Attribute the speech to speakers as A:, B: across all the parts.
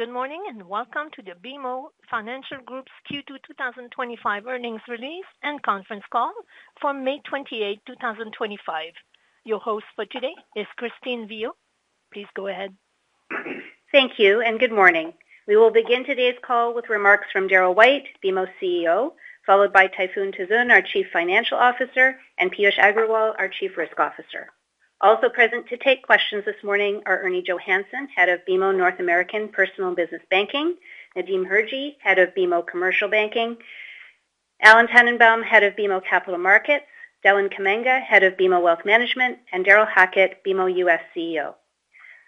A: Good morning and welcome to the BMO Financial Group's Q2 2025 Earnings Release and Conference C all for May 28, 2025. Your host for today is Christine Viau. Please go ahead.
B: Thank you and good morning. We will begin today's call with remarks from Darryl White, BMO CEO, followed by Tayfun Tuzun, our Chief Financial Officer, and Piyush Agrawal, our Chief Risk Officer. Also present to take questions this morning are Ernie Johannson, Head of BMO North American Personal and Business Banking; Nadim Hirji, Head of BMO Commercial Banking; Alan Tannenbaum, Head of BMO Capital Markets; Deland Kamanga, Head of BMO Wealth Management; and Darrel Hackett, BMO U.S. CEO.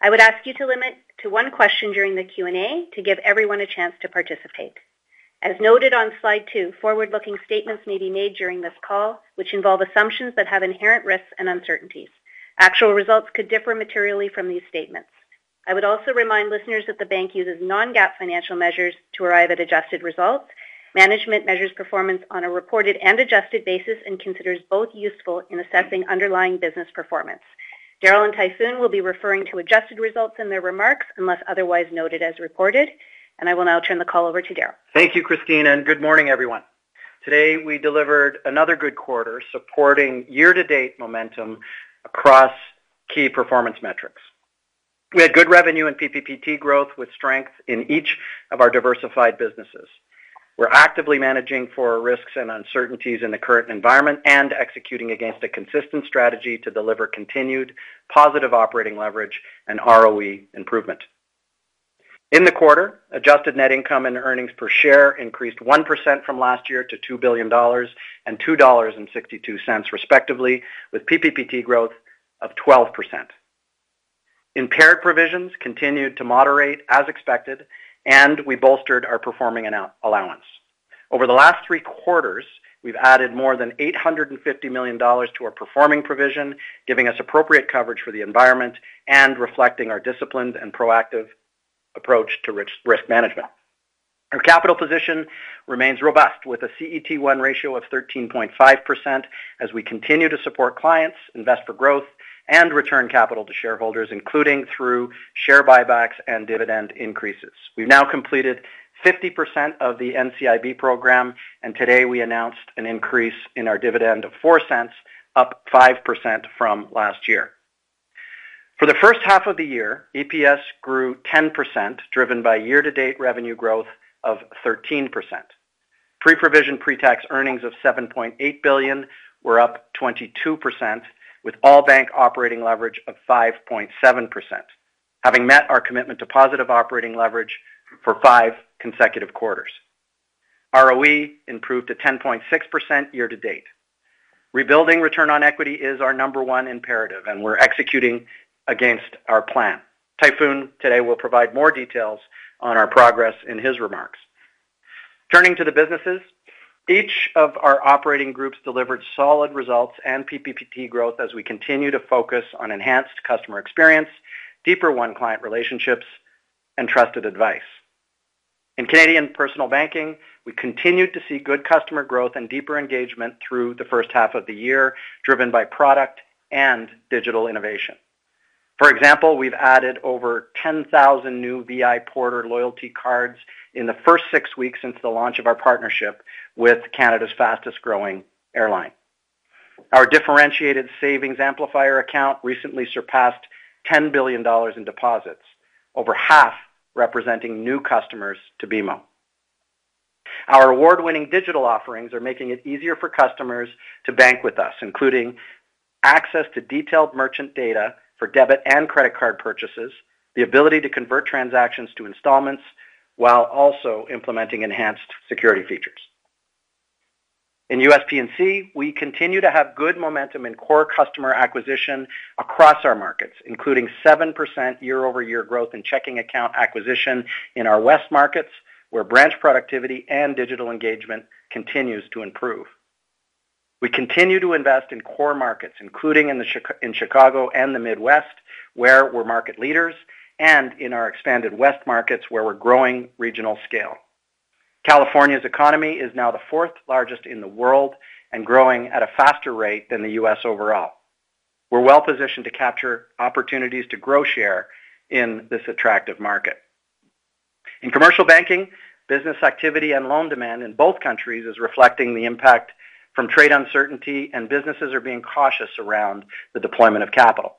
B: I would ask you to limit to one question during the Q&A to give everyone a chance to participate. As noted on slide two, forward-looking statements may be made during this call, which involve assumptions that have inherent risks and uncertainties. Actual results could differ materially from these statements. I would also remind listeners that the bank uses non-GAAP financial measures to arrive at adjusted results. Management measures performance on a reported and adjusted basis and considers both useful in assessing underlying business performance. Darryl and Tayfun will be referring to adjusted results in their remarks unless otherwise noted as reported. I will now turn the call over to Darryl.
C: Thank you, Christine, and good morning, everyone. Today we delivered another good quarter supporting year-to-date momentum across key performance metrics. We had good revenue and PPPT growth with strength in each of our diversified businesses. We're actively managing for risks and uncertainties in the current environment and executing against a consistent strategy to deliver continued positive operating leverage and ROE improvement. In the quarter, adjusted net income and earnings per share increased 1% from last year to $2 billion and $2.62 respectively, with PPPT growth of 12%. Impaired provisions continued to moderate as expected, and we bolstered our performing allowance. Over the last three quarters, we've added more than $850 million to our performing provision, giving us appropriate coverage for the environment and reflecting our disciplined and proactive approach to risk management. Our capital position remains robust with a CET1 Ratio of 13.5% as we continue to support clients, invest for growth, and return capital to shareholders, including through share buybacks and dividend increases. We've now completed 50% of the NCIB program, and today we announced an increase in our dividend of $ 0.04, up 5% from last year. For the first half of the year, EPS grew 10%, driven by year-to-date revenue growth of 13%. Pre-provision pretax earnings of $ 7.8 billion were up 22%, with all bank operating leverage of 5.7%, having met our commitment to positive operating leverage for five consecutive quarters. ROE improved to 10.6% year-to-date. Rebuilding return on equity is our number one imperative, and we're executing against our plan. Tayfun today will provide more details on our progress in his remarks. Turning to the businesses, each of our operating groups delivered solid results and PPPT growth as we continue to focus on enhanced customer experience, deeper one-client relationships, and trusted advice. In Canadian personal banking, we continued to see good customer growth and deeper engagement through the first half of the year, driven by product and digital innovation. For example, we've added over 10,000 new VIPorter loyalty cards in the first six weeks since the launch of our partnership with Canada's fastest-growing airline. Our differentiated Savings Amplifier Account recently surpassed $ 10 billion in deposits, over half representing new customers to BMO. Our award-winning digital offerings are making it easier for customers to bank with us, including access to detailed merchant data for debit and credit card purchases, the ability to convert transactions to installments, while also implementing enhanced security features. In USP&C, we continue to have good momentum in core customer acquisition across our markets, including 7% year-over-year growth in checking account acquisition in our West markets, where branch productivity and digital engagement continues to improve. We continue to invest in core markets, including in Chicago and the Midwest, where we're market leaders, and in our expanded West markets, where we're growing regional scale. California's economy is now the fourth largest in the world and growing at a faster rate than the U.S. overall. We're well positioned to capture opportunities to grow share in this attractive market. In commercial banking, business activity and loan demand in both countries is reflecting the impact from trade uncertainty, and businesses are being cautious around the deployment of capital.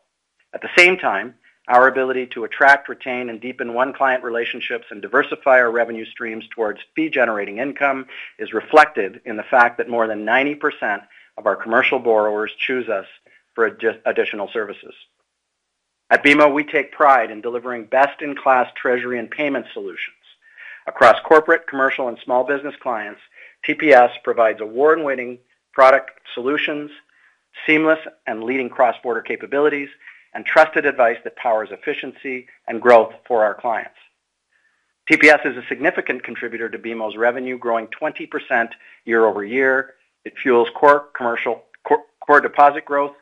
C: At the same time, our ability to attract, retain, and deepen one-client relationships and diversify our revenue streams towards fee-generating income is reflected in the fact that more than 90% of our commercial borrowers choose us for additional services. At BMO, we take pride in delivering best-in-class treasury and payment solutions. Across corporate, commercial, and small business clients, TPS provides award-winning product solutions, seamless and leading cross-border capabilities, and trusted advice that powers efficiency and growth for our clients. TPS is a significant contributor to BMO's revenue, growing 20% year-over-year. It fuels core deposit growth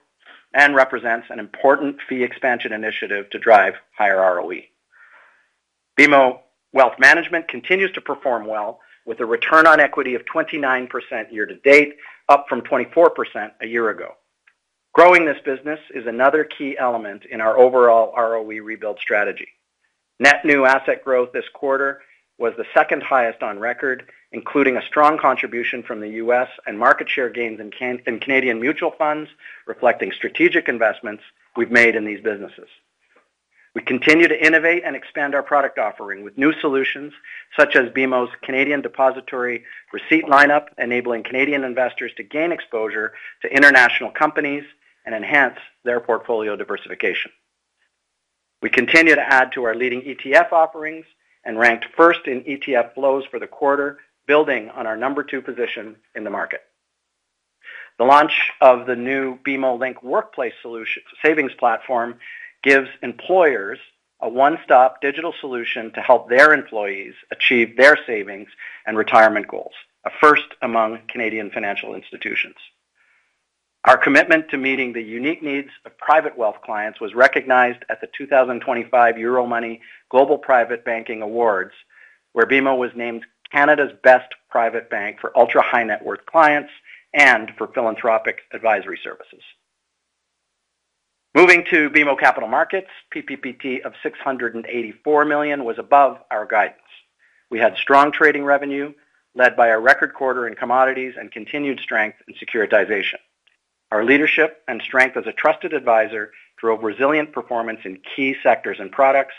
C: and represents an important fee expansion initiative to drive higher ROE. BMO Wealth Management continues to perform well, with a return on equity of 29% year-to-date, up from 24% a year ago. Growing this business is another key element in our overall ROE rebuild strategy. Net new asset growth this quarter was the second highest on record, including a strong contribution from the U.S. and market share gains in Canadian mutual funds, reflecting strategic investments we've made in these businesses. We continue to innovate and expand our product offering with new solutions such as BMO's Canadian Depository Receipt lineup, enabling Canadian investors to gain exposure to international companies and enhance their portfolio diversification. We continue to add to our leading ETF offerings and ranked first in ETF flows for the quarter, building on our number two position in the market. The launch of the new BMO|Link Workplace Savings Platform gives employers a one-stop digital solution to help their employees achieve their savings and retirement goals, a first among Canadian financial institutions. Our commitment to meeting the unique needs of private wealth clients was recognized at the 2025 Euromoney Global Private Banking Awards, where BMO was named Canada's Best Private Bank for ultra-high-net-worth clients and for philanthropic advisory services. Moving to BMO Capital Markets, PPPT of $684 million was above our guidance. We had strong trading revenue, led by our record quarter in commodities, and continued strength in securitization. Our leadership and strength as a trusted advisor drove resilient performance in key sectors and products,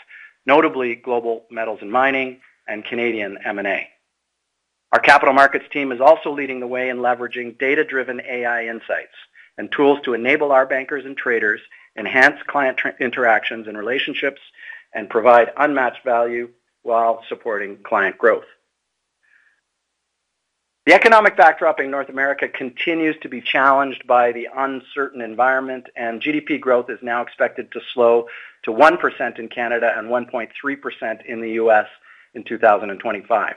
C: notably global metals and mining and Canadian M&A. Our Capital Markets team is also leading the way in leveraging data-driven AI insights and tools to enable our bankers and traders to enhance client interactions and relationships and provide unmatched value while supporting client growth. The economic backdrop in North America continues to be challenged by the uncertain environment, and GDP growth is now expected to slow to 1% in Canada and 1.3% in the U.S. in 2025.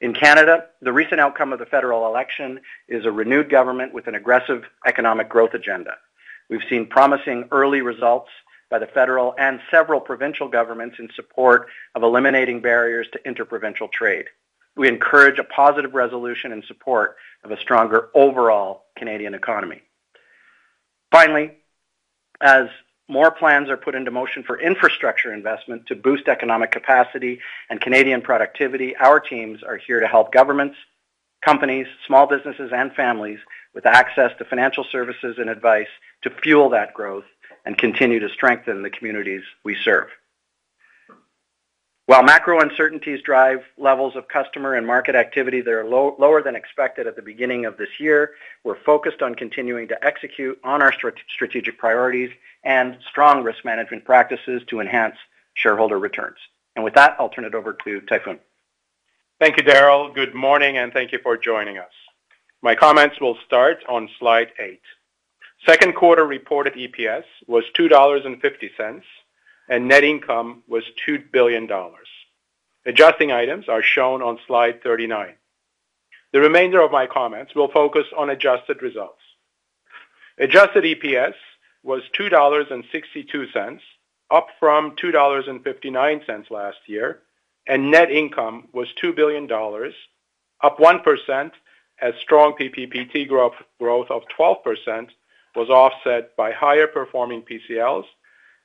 C: In Canada, the recent outcome of the federal election is a renewed government with an aggressive economic growth agenda. We have seen promising early results by the federal and several provincial governments in support of eliminating barriers to interprovincial trade. We encourage a positive resolution in support of a stronger overall Canadian economy. Finally, as more plans are put into motion for infrastructure investment to boost economic capacity and Canadian productivity, our teams are here to help governments, companies, small businesses, and families with access to financial services and advice to fuel that growth and continue to strengthen the communities we serve. While macro uncertainties drive levels of customer and market activity that are lower than expected at the beginning of this year, we're focused on continuing to execute on our strategic priorities and strong risk management practices to enhance shareholder returns. With that, I'll turn it over to Tayfun.
D: Thank you, Darryl. Good morning, and thank you for joining us. My comments will start on slide eight. Second quarter reported EPS was $2.50, and net income was $2 billion. Adjusting items are shown on slide 39. The remainder of my comments will focus on adjusted results. Adjusted EPS was $2.62, up from $2.59 last year, and net income was $2 billion, up 1%, as strong PPPT growth of 12% was offset by higher-performing PCLs,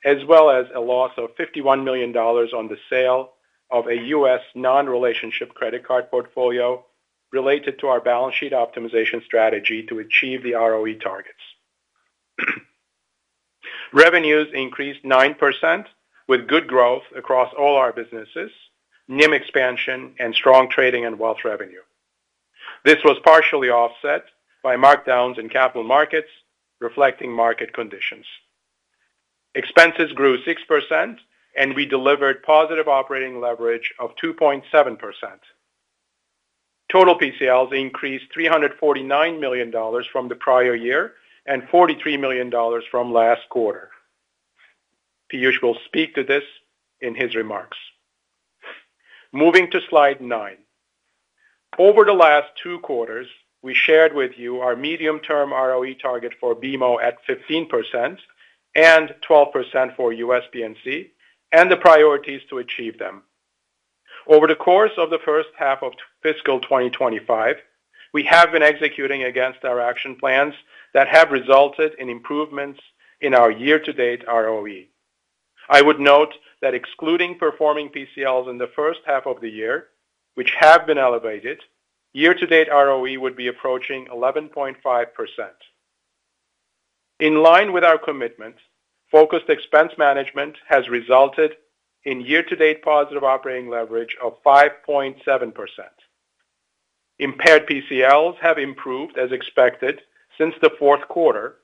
D: as well as a loss of $51 million on the sale of a U.S. Non-relationship credit card portfolio related to our balance sheet optimization strategy to achieve the ROE targets. Revenues increased 9%, with good growth across all our businesses, NIM expansion, and strong trading and wealth revenue. This was partially offset by markdowns in capital markets, reflecting market conditions. Expenses grew 6%, and we delivered positive operating leverage of 2.7%. Total PCLs increased $349 million from the prior year and $43 million from last quarter. Piyush will speak to this in his remarks. Moving to slide nine. Over the last two quarters, we shared with you our medium-term ROE target for BMO at 15% and 12% for USP&C and the priorities to achieve them. Over the course of the first half of fiscal 2025, we have been executing against our action plans that have resulted in improvements in our year-to-date ROE. I would note that excluding performing PCLs in the first half of the year, which have been elevated, year-to-date ROE would be approaching 11.5%. In line with our commitment, focused expense management has resulted in year-to-date positive operating leverage of 5.7%. Impaired PCLs have improved, as expected, since the fourth quarter.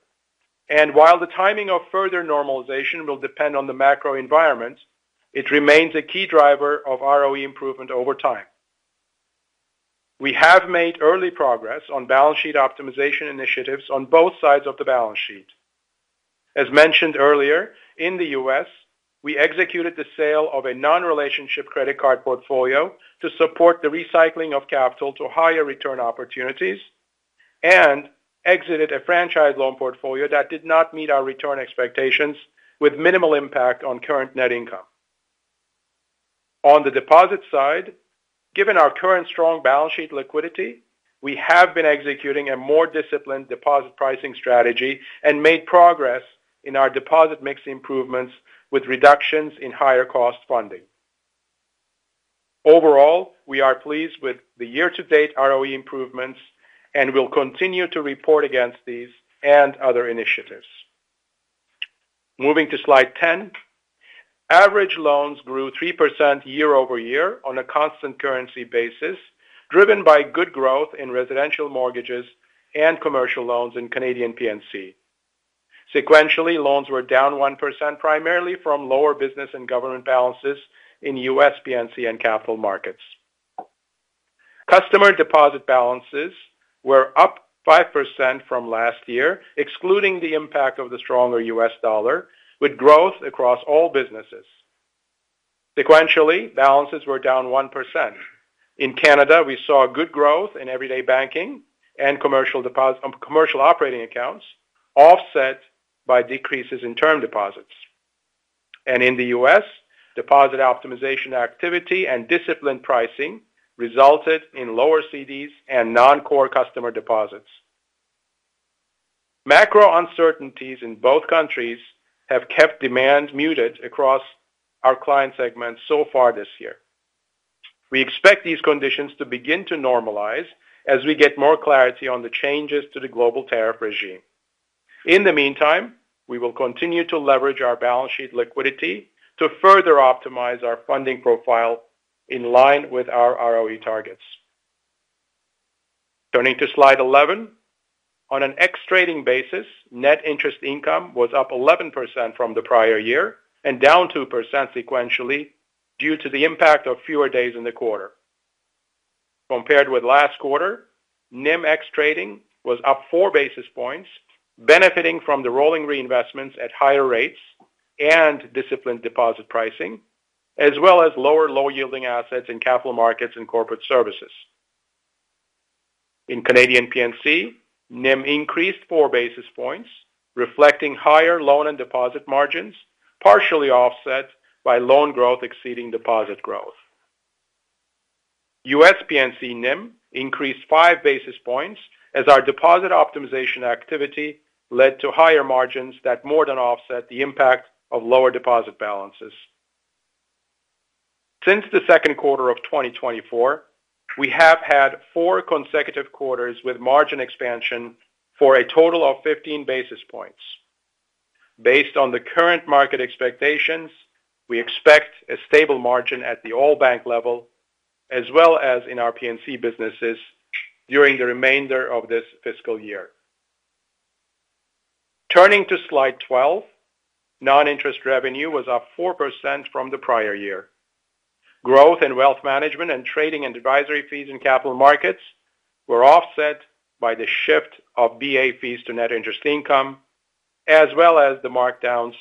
D: While the timing of further normalization will depend on the macro environment, it remains a key driver of ROE improvement over time. We have made early progress on balance sheet optimization initiatives on both sides of the balance sheet. As mentioned earlier, in the U.S., we executed the sale of a non-relationship credit card portfolio to support the recycling of capital to higher return opportunities and exited a franchise loan portfolio that did not meet our return expectations, with minimal impact on current net income. On the deposit side, given our current strong balance sheet liquidity, we have been executing a more disciplined deposit pricing strategy and made progress in our deposit mix improvements with reductions in higher-cost funding. Overall, we are pleased with the year-to-date ROE improvements and will continue to report against these and other initiatives. Moving to slide ten, average loans grew 3% year-over-year on a constant currency basis, driven by good growth in residential mortgages and commercial loans in Canadian P&C. Sequentially, loans were down 1%, primarily from lower business and government balances in U.S. P&C and capital markets. Customer deposit balances were up 5% from last year, excluding the impact of the stronger U.S. dollar, with growth across all businesses. Sequentially, balances were down 1%. In Canada, we saw good growth in everyday banking and commercial operating accounts, offset by decreases in term deposits. In the U.S., deposit optimization activity and disciplined pricing resulted in lower CDs and non-core customer deposits. Macro uncertainties in both countries have kept demand muted across our client segment so far this year. We expect these conditions to begin to normalize as we get more clarity on the changes to the global tariff regime. In the meantime, we will continue to leverage our balance sheet liquidity to further optimize our funding profile in line with our ROE targets. Turning to slide 11, on an ex-trading basis, net interest income was up 11% from the prior year and down 2% sequentially due to the impact of fewer days in the quarter. Compared with last quarter, NIM ex-trading was up four basis points, benefiting from the rolling reinvestments at higher rates and disciplined deposit pricing, as well as lower low-yielding assets in capital markets and corporate services. In Canadian P&C, NIM increased four basis points, reflecting higher loan and deposit margins, partially offset by loan growth exceeding deposit growth. U.S. P&C NIM increased five basis points as our deposit optimization activity led to higher margins that more than offset the impact of lower deposit balances. Since the second quarter of 2024, we have had four consecutive quarters with margin expansion for a total of 15 basis points. Based on the current market expectations, we expect a stable margin at the all-bank level, as well as in our P&C businesses during the remainder of this fiscal year. Turning to slide 12, non-interest revenue was up 4% from the prior year. Growth in wealth management and trading and advisory fees in capital markets were offset by the shift of VA fees to net interest income, as well as the markdowns,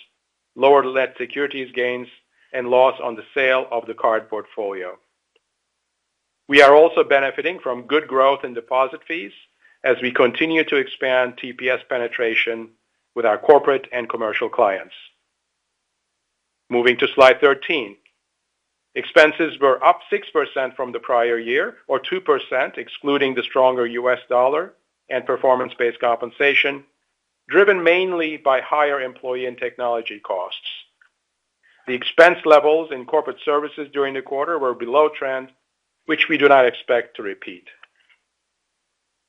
D: lower-led securities gains, and loss on the sale of the card portfolio. We are also benefiting from good growth in deposit fees as we continue to expand TPS penetration with our corporate and commercial clients. Moving to slide 13, expenses were up 6% from the prior year, or 2%, excluding the stronger U.S. dollar and performance-based compensation, driven mainly by higher employee and technology costs. The expense levels in corporate services during the quarter were below trend, which we do not expect to repeat.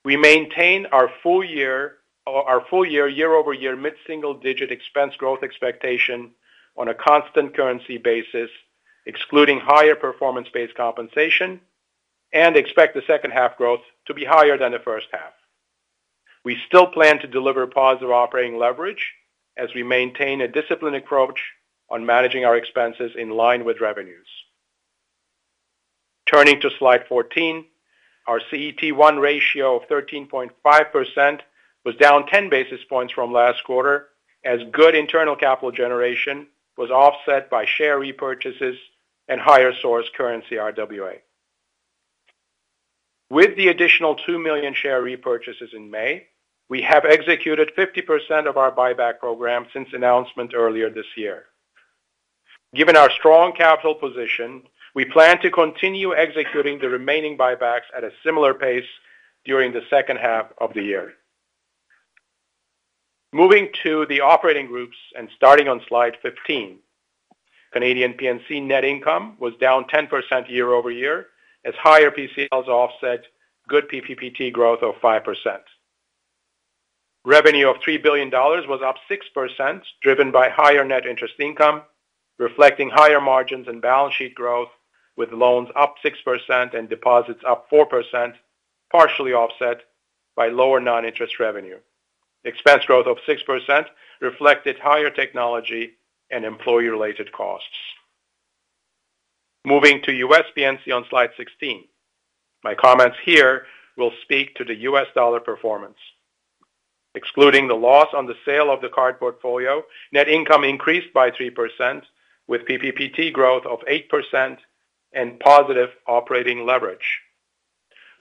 D: We maintain our full-year, year-over-year, mid-single-digit expense growth expectation on a constant currency basis, excluding higher performance-based compensation, and expect the second half growth to be higher than the first half. We still plan to deliver positive operating leverage as we maintain a disciplined approach on managing our expenses in line with revenues. Turning to slide 14, our CET1 Ratio of 13.5% was down 10 basis points from last quarter, as good internal capital generation was offset by share repurchases and higher source currency RWA. With the additional 2 million share repurchases in May, we have executed 50% of our buyback program since announcement earlier this year. Given our strong capital position, we plan to continue executing the remaining buybacks at a similar pace during the second half of the year. Moving to the operating groups and starting on slide 15, Canadian P&C net income was down 10% year-over-year as higher PCLs offset good PPPT growth of 5%. Revenue of $3 billion was up 6%, driven by higher net interest income, reflecting higher margins and balance sheet growth, with loans up 6% and deposits up 4%, partially offset by lower non-interest revenue. Expense growth of 6% reflected higher technology and employee-related costs. Moving to U.S. P&C on slide 16, my comments here will speak to the U.S. dollar performance. Excluding the loss on the sale of the card portfolio, net income increased by 3%, with PPPT growth of 8% and positive operating leverage.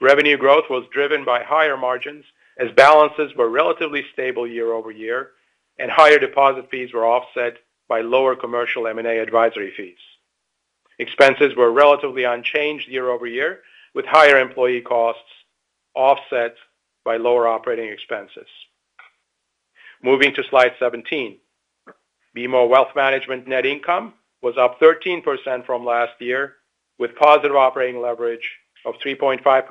D: Revenue growth was driven by higher margins as balances were relatively stable year-over-year, and higher deposit fees were offset by lower commercial M&A advisory fees. Expenses were relatively unchanged year-over-year, with higher employee costs offset by lower operating expenses. Moving to slide 17, BMO Wealth Management net income was up 13% from last year, with positive operating leverage of 3.5%.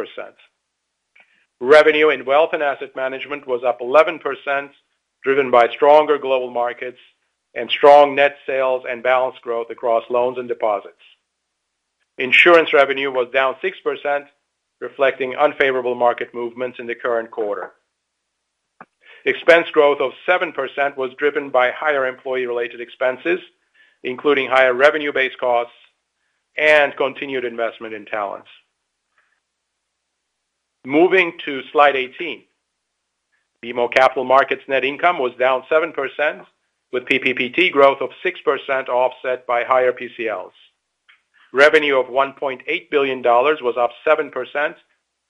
D: Revenue in wealth and asset management was up 11%, driven by stronger global markets and strong net sales and balance growth across loans and deposits. Insurance revenue was down 6%, reflecting unfavorable market movements in the current quarter. Expense growth of 7% was driven by higher employee-related expenses, including higher revenue-based costs and continued investment in talent. Moving to slide 18, BMO Capital Markets net income was down 7%, with PPPT growth of 6% offset by higher PCLs. Revenue of $1.8 billion was up 7%,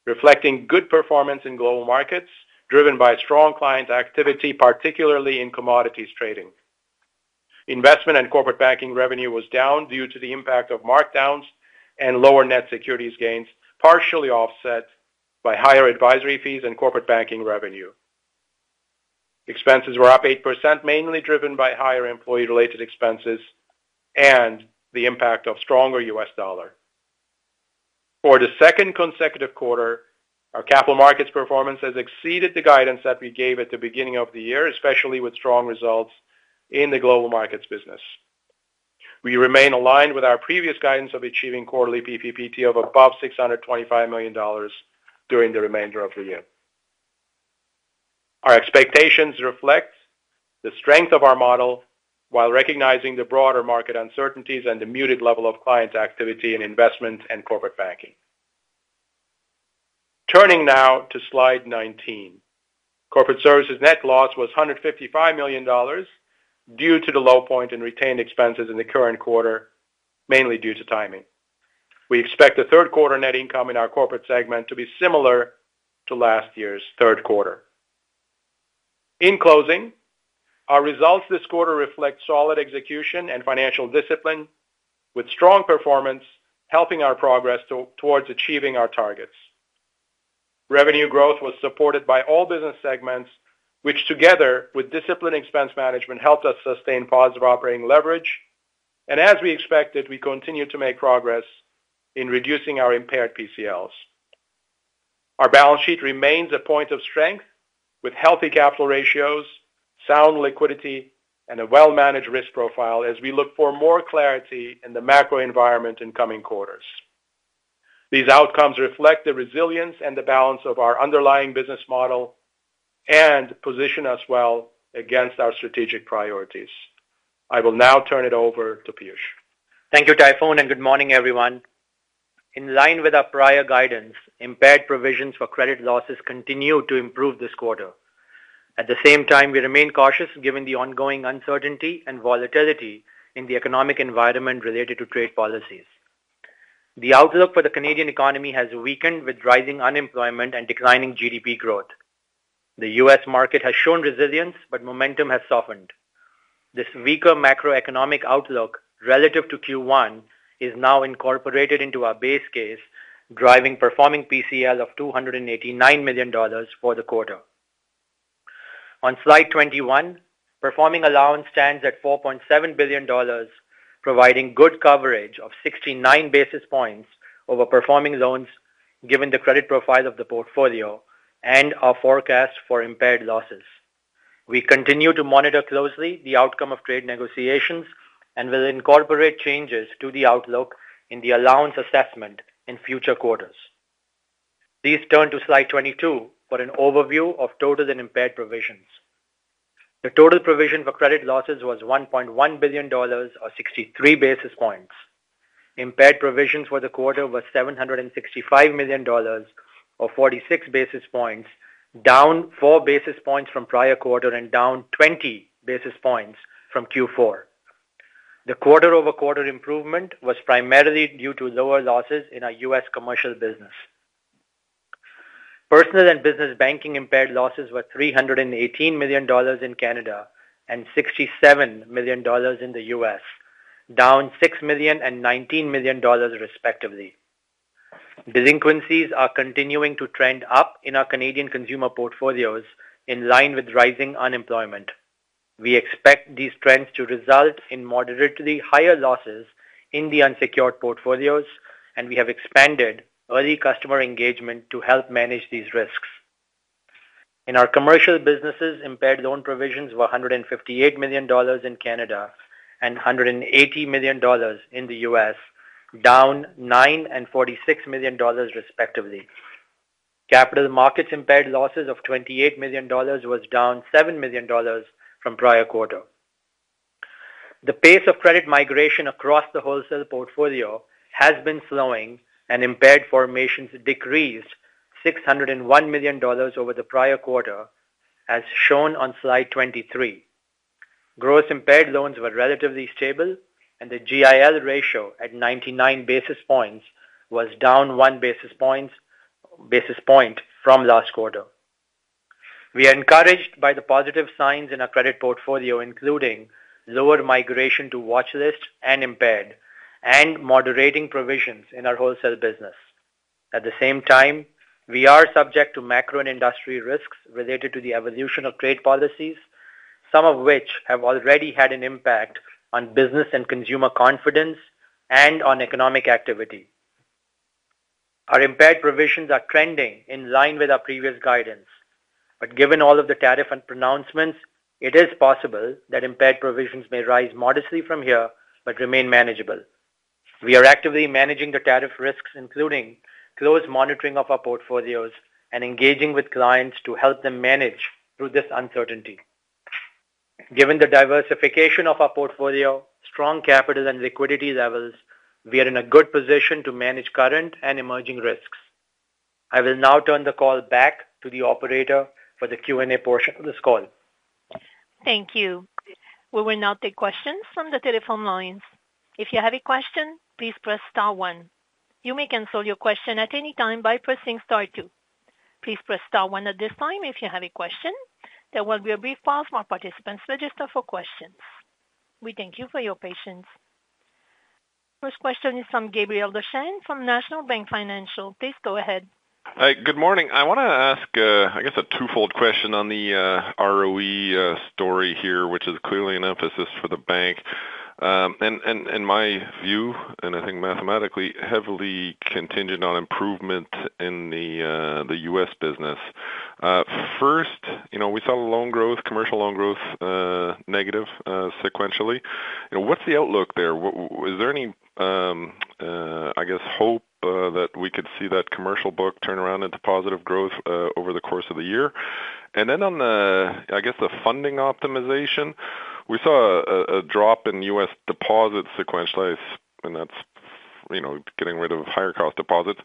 D: reflecting good performance in global markets, driven by strong client activity, particularly in commodities trading. Investment and corporate banking revenue was down due to the impact of markdowns and lower net securities gains, partially offset by higher advisory fees and corporate banking revenue. Expenses were up 8%, mainly driven by higher employee-related expenses and the impact of a stronger U.S. dollar. For the second consecutive quarter, our capital markets performance has exceeded the guidance that we gave at the beginning of the year, especially with strong results in the global markets business. We remain aligned with our previous guidance of achieving quarterly PPPT of above $625 million during the remainder of the year. Our expectations reflect the strength of our model while recognizing the broader market uncertainties and the muted level of client activity in investment and corporate banking. Turning now to slide 19, corporate services net loss was $155 million due to the low point in retained expenses in the current quarter, mainly due to timing. We expect the third quarter net income in our corporate segment to be similar to last year's third quarter. In closing, our results this quarter reflect solid execution and financial discipline, with strong performance helping our progress towards achieving our targets. Revenue growth was supported by all business segments, which together with disciplined expense management helped us sustain positive operating leverage. As we expected, we continue to make progress in reducing our impaired PCLs. Our balance sheet remains a point of strength with healthy capital ratios, sound liquidity, and a well-managed risk profile as we look for more clarity in the macro environment in coming quarters. These outcomes reflect the resilience and the balance of our underlying business model and position us well against our strategic priorities. I will now turn it over to Piyush.
E: Thank you, Tayfun, and good morning, everyone. In line with our prior guidance, impaired provisions for credit losses continue to improve this quarter. At the same time, we remain cautious given the ongoing uncertainty and volatility in the economic environment related to trade policies. The outlook for the Canadian economy has weakened with rising unemployment and declining GDP growth. The U.S. market has shown resilience, but momentum has softened. This weaker macroeconomic outlook relative to Q1 is now incorporated into our base case, driving performing PCL of $289 million for the quarter. On slide 21, performing allowance stands at $4.7 billion, providing good coverage of 69 basis points over performing loans given the credit profile of the portfolio and our forecast for impaired losses. We continue to monitor closely the outcome of trade negotiations and will incorporate changes to the outlook in the allowance assessment in future quarters. Please turn to slide 22 for an overview of total and impaired provisions. The total provision for credit losses was $1.1 billion, or 63 basis points. Impaired provisions for the quarter were $765 million, or 46 basis points, down 4 basis points from prior quarter and down 20 basis points from Q4. The quarter-over-quarter improvement was primarily due to lower losses in our U.S. commercial business. Personal and business banking impaired losses were $318 million in Canada and $67 million in the U.S., down $6 million and $19 million, respectively. Delinquencies are continuing to trend up in our Canadian consumer portfolios in line with rising unemployment. We expect these trends to result in moderately higher losses in the unsecured portfolios, and we have expanded early customer engagement to help manage these risks. In our commercial businesses, impaired loan provisions were $158 million in Canada and $180 million in the U.S., down $9 million and $46 million, respectively. Capital markets impaired losses of $28 million was down $7 million from prior quarter. The pace of credit migration across the wholesale portfolio has been slowing, and impaired formations decreased $601 million over the prior quarter, as shown on slide 23. Gross impaired loans were relatively stable, and the GIL ratio at 99 basis points was down 1 basis point from last quarter. We are encouraged by the positive signs in our credit portfolio, including lower migration to watchlist and impaired, and moderating provisions in our wholesale business. At the same time, we are subject to macro and industry risks related to the evolution of trade policies, some of which have already had an impact on business and consumer confidence and on economic activity. Our impaired provisions are trending in line with our previous guidance. Given all of the tariff and pronouncements, it is possible that impaired provisions may rise modestly from here but remain manageable. We are actively managing the tariff risks, including close monitoring of our portfolios and engaging with clients to help them manage through this uncertainty. Given the diversification of our portfolio, strong capital, and liquidity levels, we are in a good position to manage current and emerging risks. I will now turn the call back to the operator for the Q&A portion of this call.
A: Thank you. We will now take questions from the telephone lines. If you have a question, please press Star 1. You may cancel your question at any time by pressing Star 2. Please press Star 1 at this time if you have a question. There will be a brief pause while participants register for questions. We thank you for your patience. First question is from Gabriel Dechaine from National Bank Financial. Please go ahead.
F: Hi, good morning. I want to ask, I guess, a twofold question on the ROE story here, which is clearly an emphasis for the bank. In my view, and I think mathematically, heavily contingent on improvement in the U.S. business. First, we saw commercial loan growth negative sequentially. What's the outlook there? Is there any, I guess, hope that we could see that commercial book turn around into positive growth over the course of the year? On the, I guess, the funding optimization, we saw a drop in U.S. deposits sequentially, and that's getting rid of higher-cost deposits.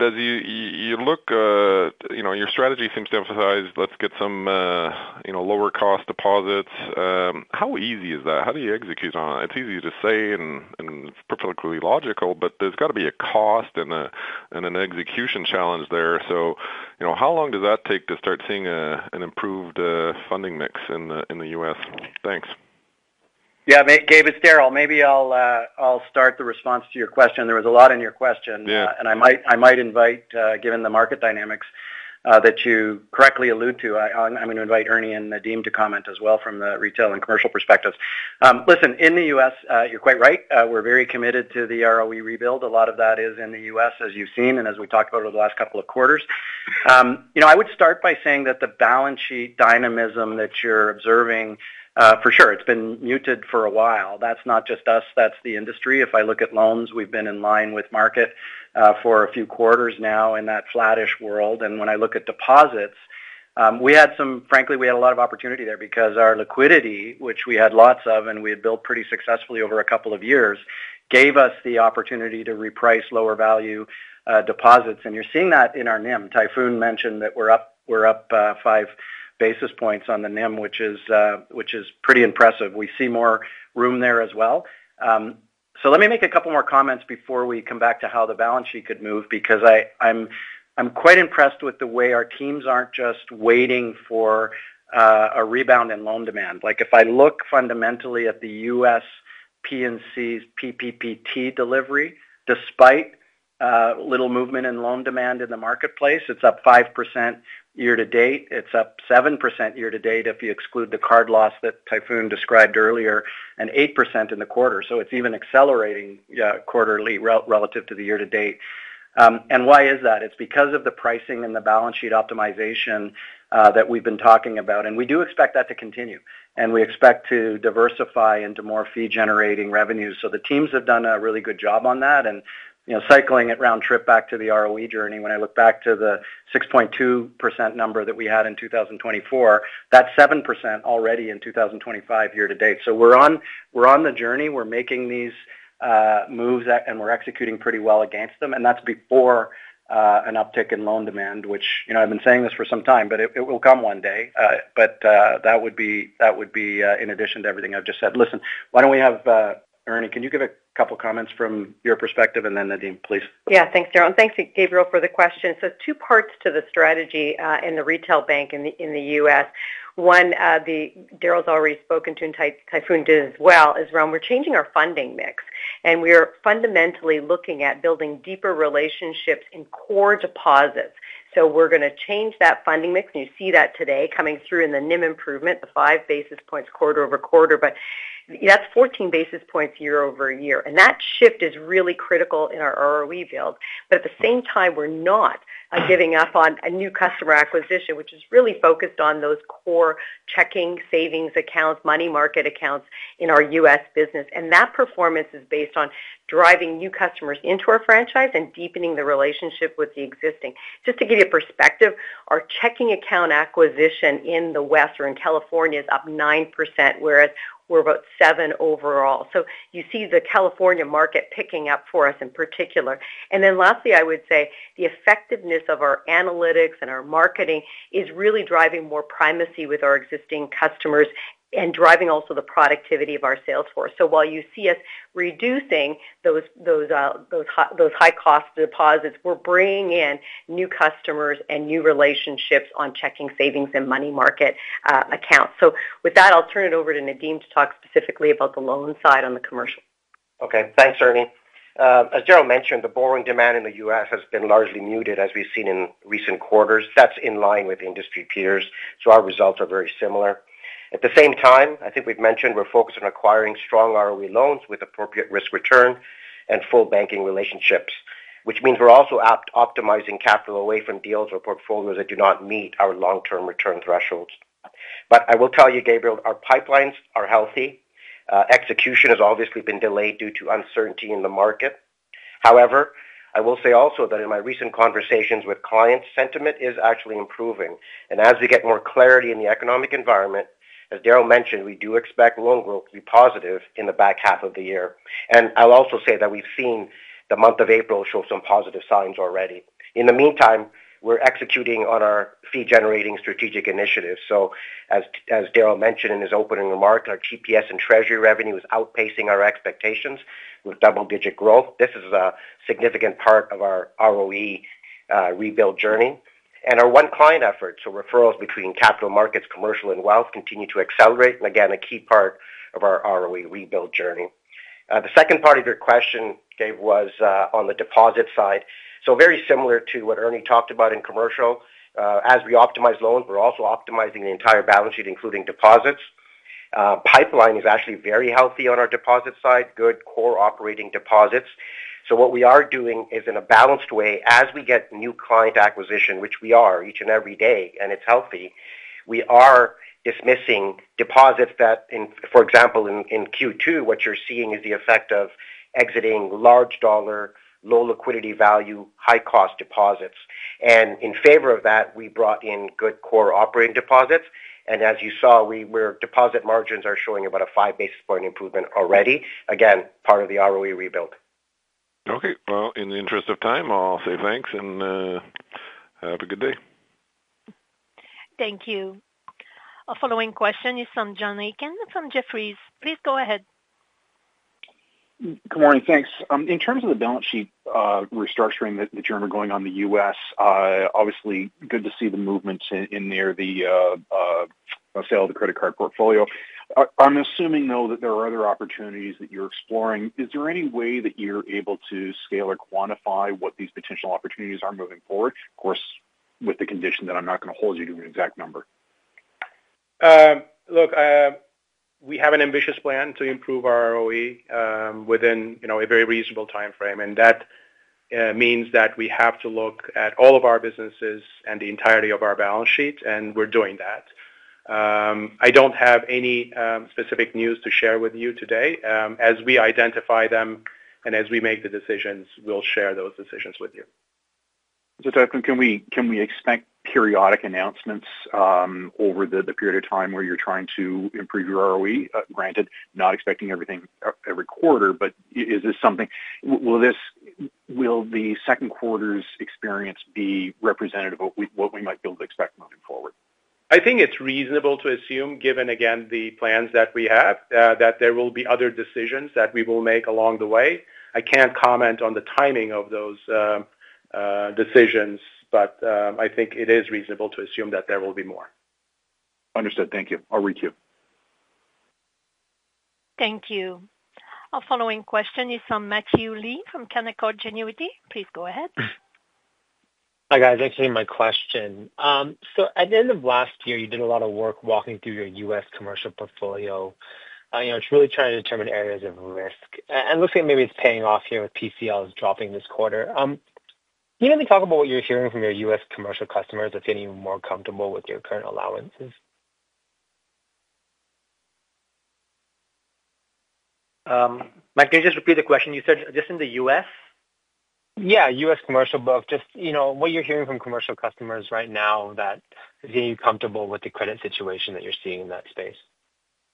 F: As you look, your strategy seems to emphasize, let's get some lower-cost deposits. How easy is that? How do you execute on it? It's easy to say and perfectly logical, but there's got to be a cost and an execution challenge there. How long does that take to start seeing an improved funding mix in the U.S.? Thanks.
C: Yeah, Gabriel, maybe I'll start the response to your question. There was a lot in your question, and I might invite, given the market dynamics that you correctly allude to, I'm going to invite Ernie and Nadim to comment as well from the retail and commercial perspectives. Listen, in the U.S., you're quite right. We're very committed to the ROE rebuild. A lot of that is in the U.S., as you've seen and as we talked about over the last couple of quarters. I would start by saying that the balance sheet dynamism that you're observing, for sure, it's been muted for a while. That's not just us, that's the industry. If I look at loans, we've been in line with market for a few quarters now in that flattish world. When I look at deposits, we had some, frankly, we had a lot of opportunity there because our liquidity, which we had lots of and we had built pretty successfully over a couple of years, gave us the opportunity to reprice lower-value deposits. You're seeing that in our NIM. Tayfun mentioned that we're up five basis points on the NIM, which is pretty impressive. We see more room there as well. Let me make a couple more comments before we come back to how the balance sheet could move, because I'm quite impressed with the way our teams aren't just waiting for a rebound in loan demand. If I look fundamentally at the U.S. P&C's PPPT delivery, despite little movement in loan demand in the marketplace, it's up 5% year to date. It's up 7% year to date if you exclude the card loss that Tayfun described earlier, and 8% in the quarter. It's even accelerating quarterly relative to the year to date. Why is that? It's because of the pricing and the balance sheet optimization that we've been talking about. We do expect that to continue. We expect to diversify into more fee-generating revenues. The teams have done a really good job on that. Cycling it round trip back to the ROE journey, when I look back to the 6.2% number that we had in 2024, that's 7% already in 2025 year to date. We're on the journey. We're making these moves, and we're executing pretty well against them. That's before an uptick in loan demand, which I've been saying this for some time, but it will come one day. That would be in addition to everything I've just said. Listen, why don't we have Ernie, can you give a couple of comments from your perspective? And then Nadim, please.
G: Yeah, thanks, Darryl. And thanks, Gabriel, for the question. Two parts to the strategy in the retail bank in the U.S. One, Darryl's already spoken to, and Tayfun did as well, is around we're changing our funding mix. We are fundamentally looking at building deeper relationships in core deposits. We're going to change that funding mix. You see that today coming through in the NIM improvement, the five basis points quarter over quarter. That's 14 basis points year over year. That shift is really critical in our ROE field. At the same time, we're not giving up on new customer acquisition, which is really focused on those core checking, savings accounts, money market accounts in our U.S. business. That performance is based on driving new customers into our franchise and deepening the relationship with the existing. Just to give you perspective, our checking account acquisition in the West or in California is up 9%, whereas we're about 7% overall. You see the California market picking up for us in particular. Lastly, I would say the effectiveness of our analytics and our marketing is really driving more primacy with our existing customers and driving also the productivity of our sales force. While you see us reducing those high-cost deposits, we're bringing in new customers and new relationships on checking, savings, and money market accounts. With that, I'll turn it over to Nadim to talk specifically about the loan side on the commercial.
H: Okay, thanks, Ernie. As Darryl mentioned, the borrowing demand in the U.S. has been largely muted, as we've seen in recent quarters. That's in line with industry peers. Our results are very similar. At the same time, I think we've mentioned we're focused on acquiring strong ROE loans with appropriate risk return and full banking relationships, which means we're also optimizing capital away from deals or portfolios that do not meet our long-term return thresholds. I will tell you, Gabriel, our pipelines are healthy. Execution has obviously been delayed due to uncertainty in the market. However, I will say also that in my recent conversations with clients, sentiment is actually improving. As we get more clarity in the economic environment, as Darryl mentioned, we do expect loan growth to be positive in the back half of the year. I'll also say that we've seen the month of April show some positive signs already. In the meantime, we're executing on our fee-generating strategic initiatives. As Darryl mentioned in his opening remark, our GPS and treasury revenue is outpacing our expectations with double-digit growth. This is a significant part of our ROE rebuild journey. Our one-client effort, so referrals between capital markets, commercial, and wealth, continue to accelerate. Again, a key part of our ROE rebuild journey. The second part of your question, Gabe, was on the deposit side. Very similar to what Ernie talked about in commercial, as we optimize loans, we're also optimizing the entire balance sheet, including deposits. Pipeline is actually very healthy on our deposit side, good core operating deposits. What we are doing is, in a balanced way, as we get new client acquisition, which we are each and every day, and it's healthy, we are dismissing deposits that, for example, in Q2, what you're seeing is the effect of exiting large-dollar, low liquidity value, high-cost deposits. In favor of that, we brought in good core operating deposits. As you saw, our deposit margins are showing about a five basis point improvement already, again, part of the ROE rebuild.
F: In the interest of time, I'll say thanks and have a good day.
A: Thank you. A following question is from John Aiken from Jefferies. Please go ahead.
I: Good morning, thanks. In terms of the balance sheet restructuring that you're undergoing on the U.S., obviously, good to see the movement in near the sale of the credit card portfolio. I'm assuming, though, that there are other opportunities that you're exploring. Is there any way that you're able to scale or quantify what these potential opportunities are moving forward? Of course, with the condition that I'm not going to hold you to an exact number.
C: Look, we have an ambitious plan to improve our ROE within a very reasonable time frame. That means that we have to look at all of our businesses and the entirety of our balance sheet, and we're doing that. I don't have any specific news to share with you today. As we identify them and as we make the decisions, we'll share those decisions with you. Tayfun, can we expect periodic announcements over the period of time where you're trying to improve your ROE? Granted, not expecting everything every quarter, but is this something, will the second quarter's experience be representative of what we might be able to expect moving forward? I think it's reasonable to assume, given, again, the plans that we have, that there will be other decisions that we will make along the way. I can't comment on the timing of those decisions, but I think it is reasonable to assume that there will be more.
I: Understood. Thank you. I'll reach you.
A: Thank you. A following question is from Matthew Lee from Canaccord Genuity. Please go ahead.
J: Hi, guys. Thanks for taking my question. At the end of last year, you did a lot of work walking through your U.S. commercial portfolio. It's really trying to determine areas of risk. It looks like maybe it's paying off here with PCLs dropping this quarter. Can you maybe talk about what you're hearing from your U.S. commercial customers that's getting more comfortable with your current allowances?
E: Matt, can you just repeat the question? You said just in the U.S.?
J: Yeah, U.S. commercial book. Just what you're hearing from commercial customers right now that is getting you comfortable with the credit situation that you're seeing in that space?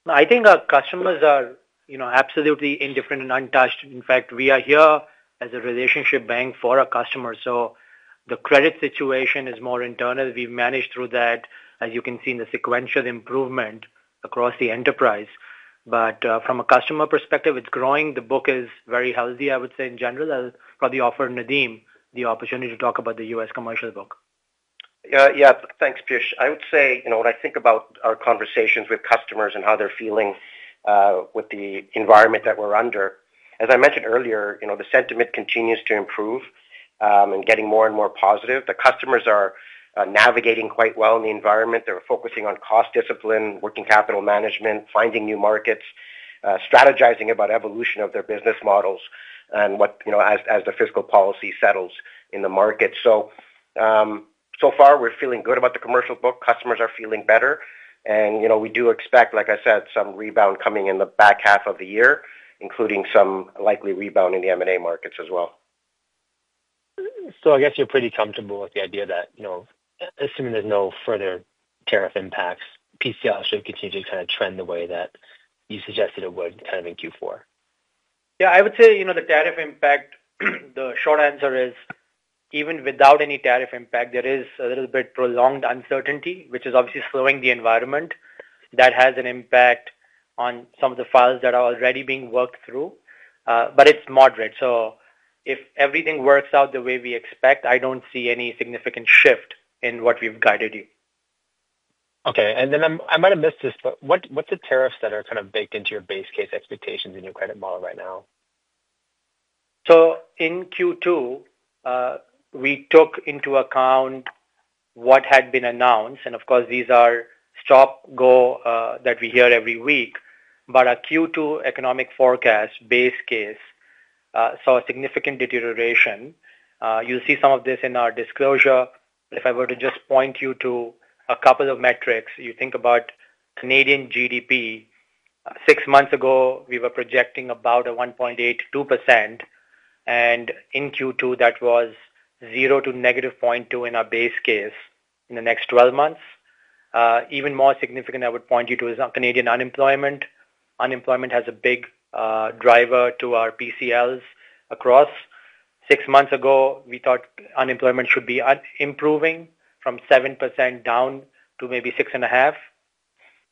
E: I think our customers are absolutely indifferent and untouched. In fact, we are here as a relationship bank for our customers. The credit situation is more internal. We've managed through that, as you can see in the sequential improvement across the enterprise. From a customer perspective, it's growing. The book is very healthy, I would say, in general. I'll probably offer Nadim the opportunity to talk about the U.S. commercial book.
H: Yeah, thanks, Piyush. I would say when I think about our conversations with customers and how they're feeling with the environment that we're under, as I mentioned earlier, the sentiment continues to improve and getting more and more positive. The customers are navigating quite well in the environment. They're focusing on cost discipline, working capital management, finding new markets, strategizing about evolution of their business models and as the fiscal policy settles in the market. So far, we're feeling good about the commercial book. Customers are feeling better. We do expect, like I said, some rebound coming in the back half of the year, including some likely rebound in the M&A markets as well. I guess you're pretty comfortable with the idea that, assuming there's no further tariff impacts, PCL should continue to kind of trend the way that you suggested it would kind of in Q4.
C: Yeah, I would say the tariff impact, the short answer is, even without any tariff impact, there is a little bit prolonged uncertainty, which is obviously slowing the environment. That has an impact on some of the files that are already being worked through. It is moderate. If everything works out the way we expect, I do not see any significant shift in what we have guided you.
J: Okay. I might have missed this, but what are the tariffs that are kind of baked into your base case expectations in your credit model right now?
C: In Q2, we took into account what had been announced. Of course, these are stop, go, that we hear every week. Our Q2 economic forecast base case saw significant deterioration. You will see some of this in our disclosure. If I were to just point you to a couple of metrics, you think about Canadian GDP. Six months ago, we were projecting about a 1.82%. And in Q2, that was 0 to negative 0.2% in our base case in the next 12 months. Even more significant, I would point you to is our Canadian unemployment. Unemployment has a big driver to our PCLs across. Six months ago, we thought unemployment should be improving from 7% down to maybe 6.5%.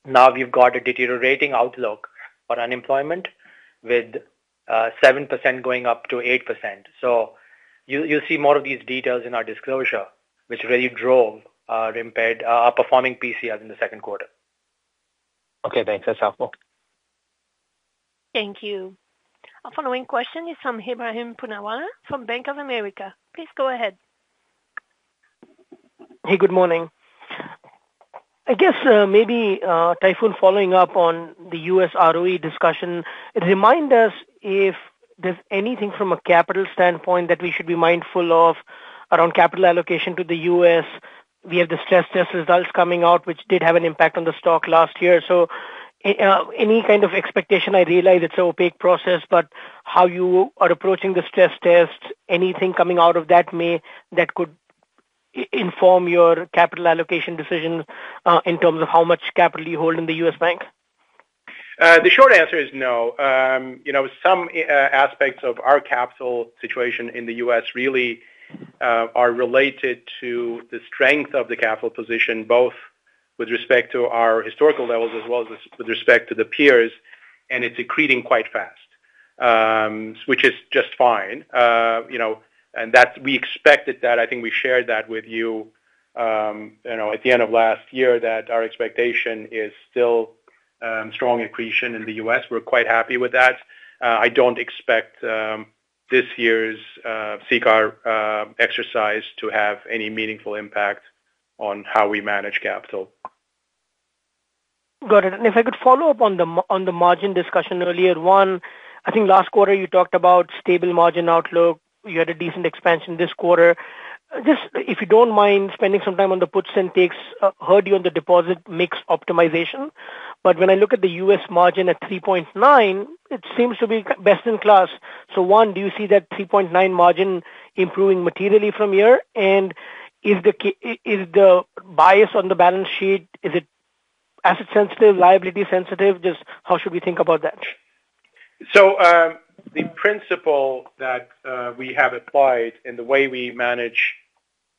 C: Now we've got a deteriorating outlook for unemployment with 7% going up to 8%. You will see more of these details in our disclosure, which really drove our performing PCLs in the second quarter.
J: Okay, thanks. That's helpful.
A: Thank you. A following question is from Ebrahim Poonawala from Bank of America. Please go ahead.
K: Hey, good morning. I guess maybe Tayfun, following up on the U.S. ROE discussion, remind us if there is anything from a capital standpoint that we should be mindful of around capital allocation to the U.S. We have the stress test results coming out, which did have an impact on the stock last year. Any kind of expectation, I realize it is an opaque process, but how you are approaching the stress test, anything coming out of that may that could inform your capital allocation decision in terms of how much capital you hold in the U.S. bank?
D: The short answer is no. Some aspects of our capital situation in the U.S. really are related to the strength of the capital position, both with respect to our historical levels as well as with respect to the peers. It is accreting quite fast, which is just fine. We expected that. I think we shared that with you at the end of last year, that our expectation is still strong accretion in the U.S. We're quite happy with that. I do not expect this year's CCAR exercise to have any meaningful impact on how we manage capital.
K: Got it. If I could follow up on the margin discussion earlier, one, I think last quarter you talked about stable margin outlook. You had a decent expansion this quarter. If you do not mind spending some time on the puts and takes, heard you on the deposit mix optimization. When I look at the U.S. margin at 3.9, it seems to be best in class. One, do you see that 3.9 margin improving materially from here? Is the bias on the balance sheet, is it asset-sensitive, liability-sensitive? How should we think about that?
L: The principle that we have applied in the way we manage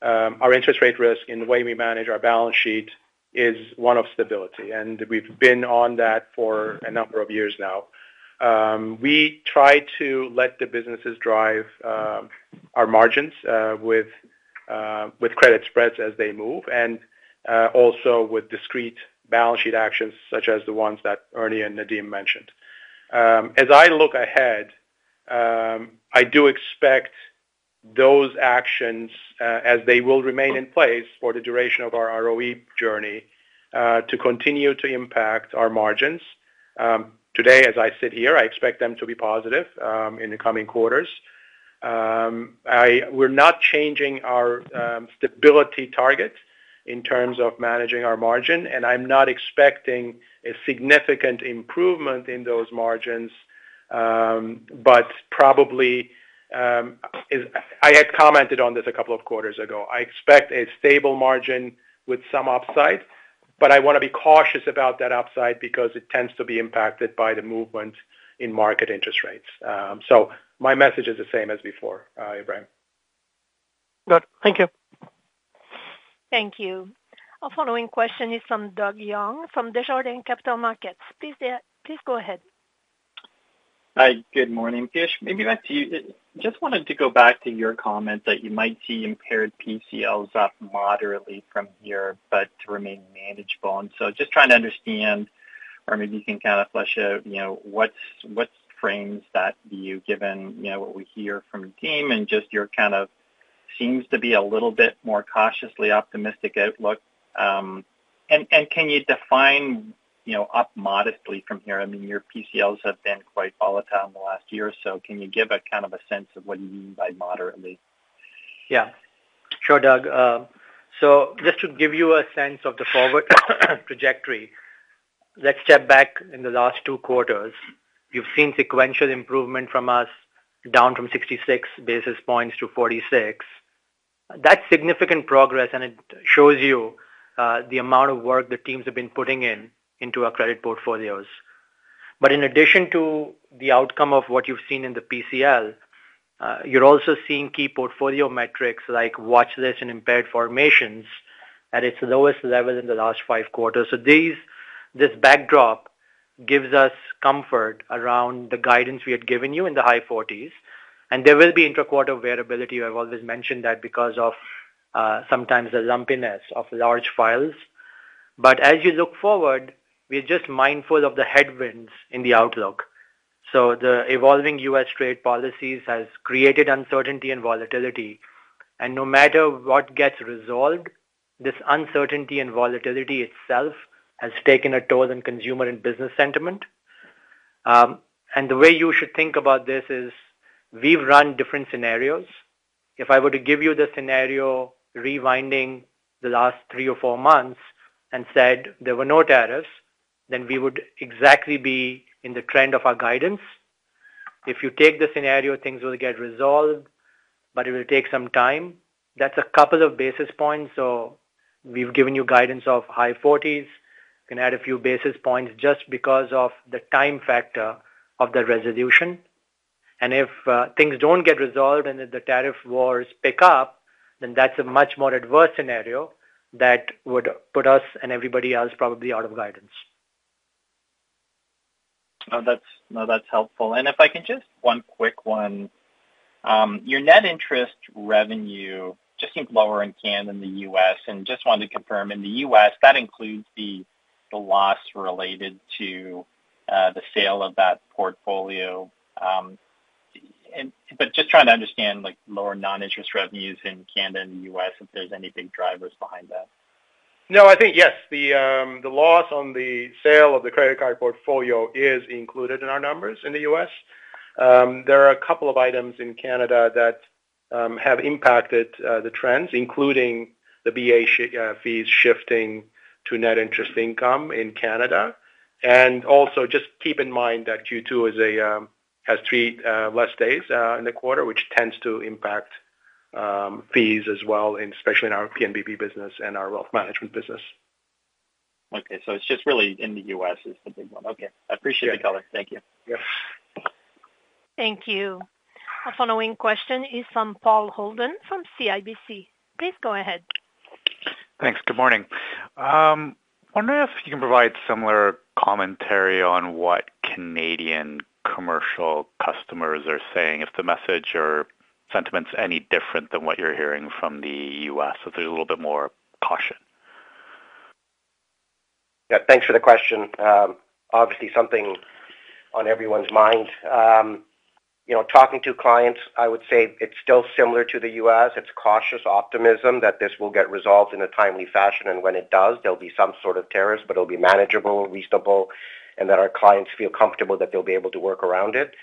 L: our interest rate risk, in the way we manage our balance sheet, is one of stability. We have been on that for a number of years now. We try to let the businesses drive our margins with credit spreads as they move, and also with discrete balance sheet actions such as the ones that Ernie and Nadim mentioned. As I look ahead, I do expect those actions, as they will remain in place for the duration of our ROE journey, to continue to impact our margins. Today, as I sit here, I expect them to be positive in the coming quarters. We are not changing our stability target in terms of managing our margin. I am not expecting a significant improvement in those margins, but probably I had commented on this a couple of quarters ago. I expect a stable margin with some upside, but I want to be cautious about that upside because it tends to be impacted by the movement in market interest rates. My message is the same as before, Ebrahim.
K: Got it. Thank you.
A: Thank you. A following question is from Doug Young from Desjardins Capital Markets. Please go ahead.
M: Hi, good morning, Piyush. Maybe back to you. Just wanted to go back to your comment that you might see impaired PCLs up moderately from here, but to remain manageable. Just trying to understand, or maybe you can kind of flesh out what frames that view, given what we hear from Dean and just your kind of seems to be a little bit more cautiously optimistic outlook. Can you define up modestly from here? I mean, your PCLs have been quite volatile in the last year or so. Can you give a kind of a sense of what you mean by moderately?
E: Yeah. Sure, Doug. Just to give you a sense of the forward trajectory, let's step back in the last two quarters. You've seen sequential improvement from us down from 66 basis points to 46. That's significant progress, and it shows you the amount of work the teams have been putting into our credit portfolios. In addition to the outcome of what you've seen in the PCL, you're also seeing key portfolio metrics like watch list and impaired formations at its lowest level in the last five quarters. This backdrop gives us comfort around the guidance we had given you in the high 40s. There will be interquarter variability. I've always mentioned that because of sometimes the lumpiness of large files. As you look forward, we're just mindful of the headwinds in the outlook. The evolving U.S. trade policies have created uncertainty and volatility. No matter what gets resolved, this uncertainty and volatility itself has taken a toll on consumer and business sentiment. The way you should think about this is we've run different scenarios. If I were to give you the scenario rewinding the last three or four months and said there were no tariffs, then we would exactly be in the trend of our guidance. If you take the scenario, things will get resolved, but it will take some time. That's a couple of basis points. We've given you guidance of high 40s. You can add a few basis points just because of the time factor of the resolution. If things do not get resolved and the tariff wars pick up, that is a much more adverse scenario that would put us and everybody else probably out of guidance.
M: No, that is helpful. If I can, just one quick one. Your net interest revenue just seems lower in Canada than the U.S. I just wanted to confirm, in the U.S., that includes the loss related to the sale of that portfolio. I am just trying to understand lower non-interest revenues in Canada and the U.S., if there are any big drivers behind that. No, I think yes. The loss on the sale of the credit card portfolio is included in our numbers in the U.S. There are a couple of items in Canada that have impacted the trends, including the BA fees shifting to net interest income in Canada. Also just keep in mind that Q2 has three less days in the quarter, which tends to impact fees as well, especially in our PNBB business and our wealth management business. Okay. It is just really in the U.S. that is the big one. Okay. I appreciate the color. Thank you.
A: Thank you. A following question is from Paul Holden from CIBC. Please go ahead.
N: Thanks. Good morning. I wonder if you can provide similar commentary on what Canadian commercial customers are saying, if the message or sentiment is any different than what you are hearing from the U.S., if there is a little bit more caution.
O: Yeah. Thanks for the question. Obviously, something on everyone's mind. Talking to clients, I would say it is still similar to the U.S. It is cautious optimism that this will get resolved in a timely fashion. When it does, there will be some sort of tariffs, but it will be manageable, reasonable, and our clients feel comfortable that they will be able to work around it.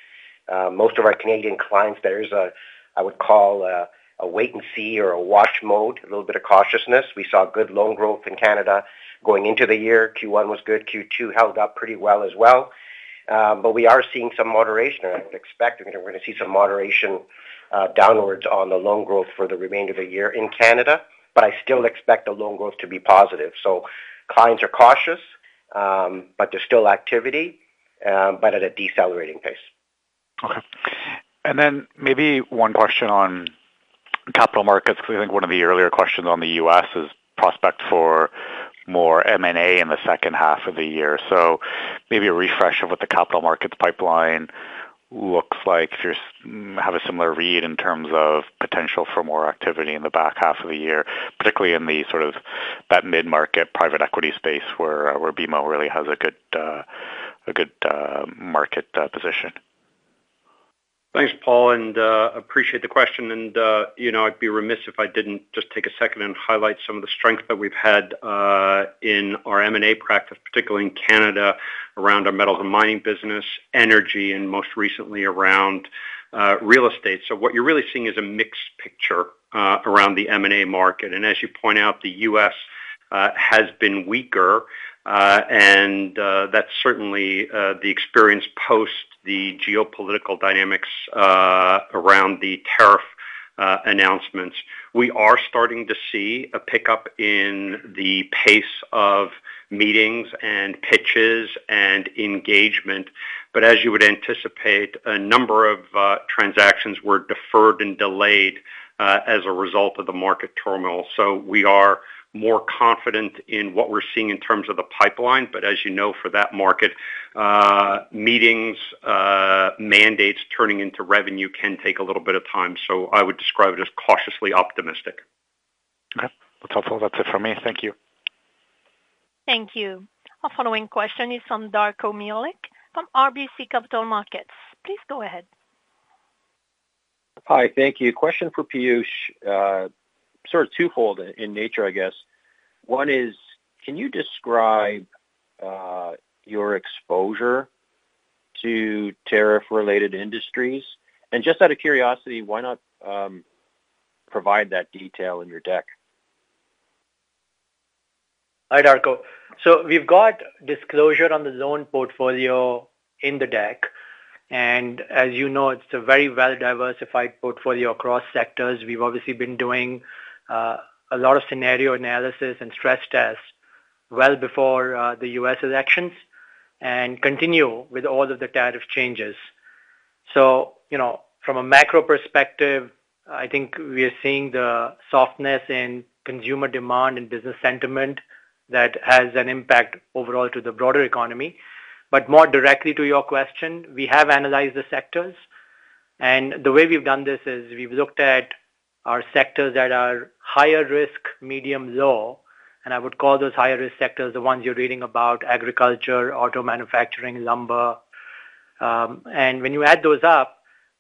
O: Most of our Canadian clients, there is a, I would call, a wait and see or a watch mode, a little bit of cautiousness. We saw good loan growth in Canada going into the year. Q1 was good. Q2 held up pretty well as well. We are seeing some moderation, and I would expect we are going to see some moderation downwards on the loan growth for the remainder of the year in Canada. I still expect the loan growth to be positive. Clients are cautious, but there is still activity, but at a decelerating pace.
N: Okay. Maybe one question on capital markets, because I think one of the earlier questions on the U.S. Is prospect for more M&A in the second half of the year. Maybe a refresh of what the capital markets pipeline looks like if you have a similar read in terms of potential for more activity in the back half of the year, particularly in the sort of that mid-market private equity space where BMO really has a good market position.
O: Thanks, Paul. I appreciate the question. I'd be remiss if I didn't just take a second and highlight some of the strength that we've had in our M&A practice, particularly in Canada around our metal and mining business, energy, and most recently around real estate. What you're really seeing is a mixed picture around the M&A market. As you point out, the U.S. has been weaker. That's certainly the experience post the geopolitical dynamics around the tariff announcements. We are starting to see a pickup in the pace of meetings and pitches and engagement. As you would anticipate, a number of transactions were deferred and delayed as a result of the market turmoil. We are more confident in what we're seeing in terms of the pipeline. As you know, for that market, meetings, mandates turning into revenue can take a little bit of time. I would describe it as cautiously optimistic.
N: Okay. That's helpful. That's it for me. Thank you.
A: Thank you. A following question is from Darko Mihelic from RBC Capital Markets. Please go ahead.
P: Hi. Thank you. Question for Piyush. Sort of twofold in nature, I guess. One is, can you describe your exposure to tariff-related industries? Just out of curiosity, why not provide that detail in your deck?
E: Hi, Darko. We've got disclosure on the loan portfolio in the deck. As you know, it's a very well-diversified portfolio across sectors. We've obviously been doing a lot of scenario analysis and stress tests well before the U.S. elections and continue with all of the tariff changes. From a macro perspective, I think we are seeing the softness in consumer demand and business sentiment that has an impact overall to the broader economy. More directly to your question, we have analyzed the sectors. The way we've done this is we've looked at our sectors that are higher risk, medium, low. I would call those higher risk sectors the ones you're reading about: agriculture, auto manufacturing, lumber. When you add those up,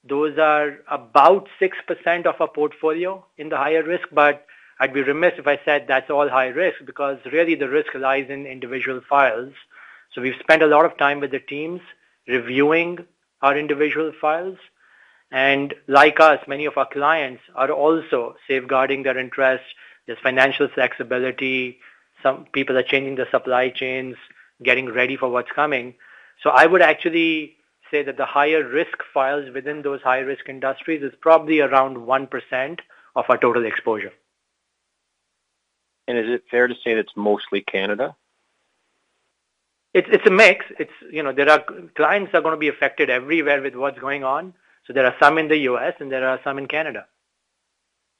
E: those are about 6% of our portfolio in the higher risk. I would be remiss if I said that's all high risk because really the risk lies in individual files. We have spent a lot of time with the teams reviewing our individual files. Like us, many of our clients are also safeguarding their interests. There is financial flexibility. Some people are changing the supply chains, getting ready for what's coming. I would actually say that the higher risk files within those high-risk industries is probably around 1% of our total exposure. Is it fair to say that's mostly Canada? It's a mix. There are clients that are going to be affected everywhere with what's going on. There are some in the U.S., and there are some in Canada.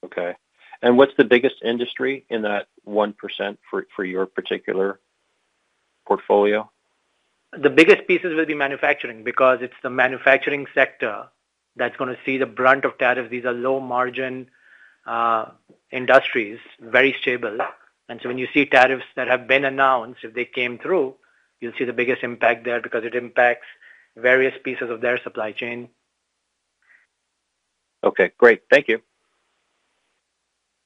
P: Okay. What's the biggest industry in that 1% for your particular portfolio?
E: The biggest pieces will be manufacturing because it's the manufacturing sector that's going to see the brunt of tariffs. These are low-margin industries, very stable. When you see tariffs that have been announced, if they came through, you'll see the biggest impact there because it impacts various pieces of their supply chain.
P: Okay. Great. Thank you.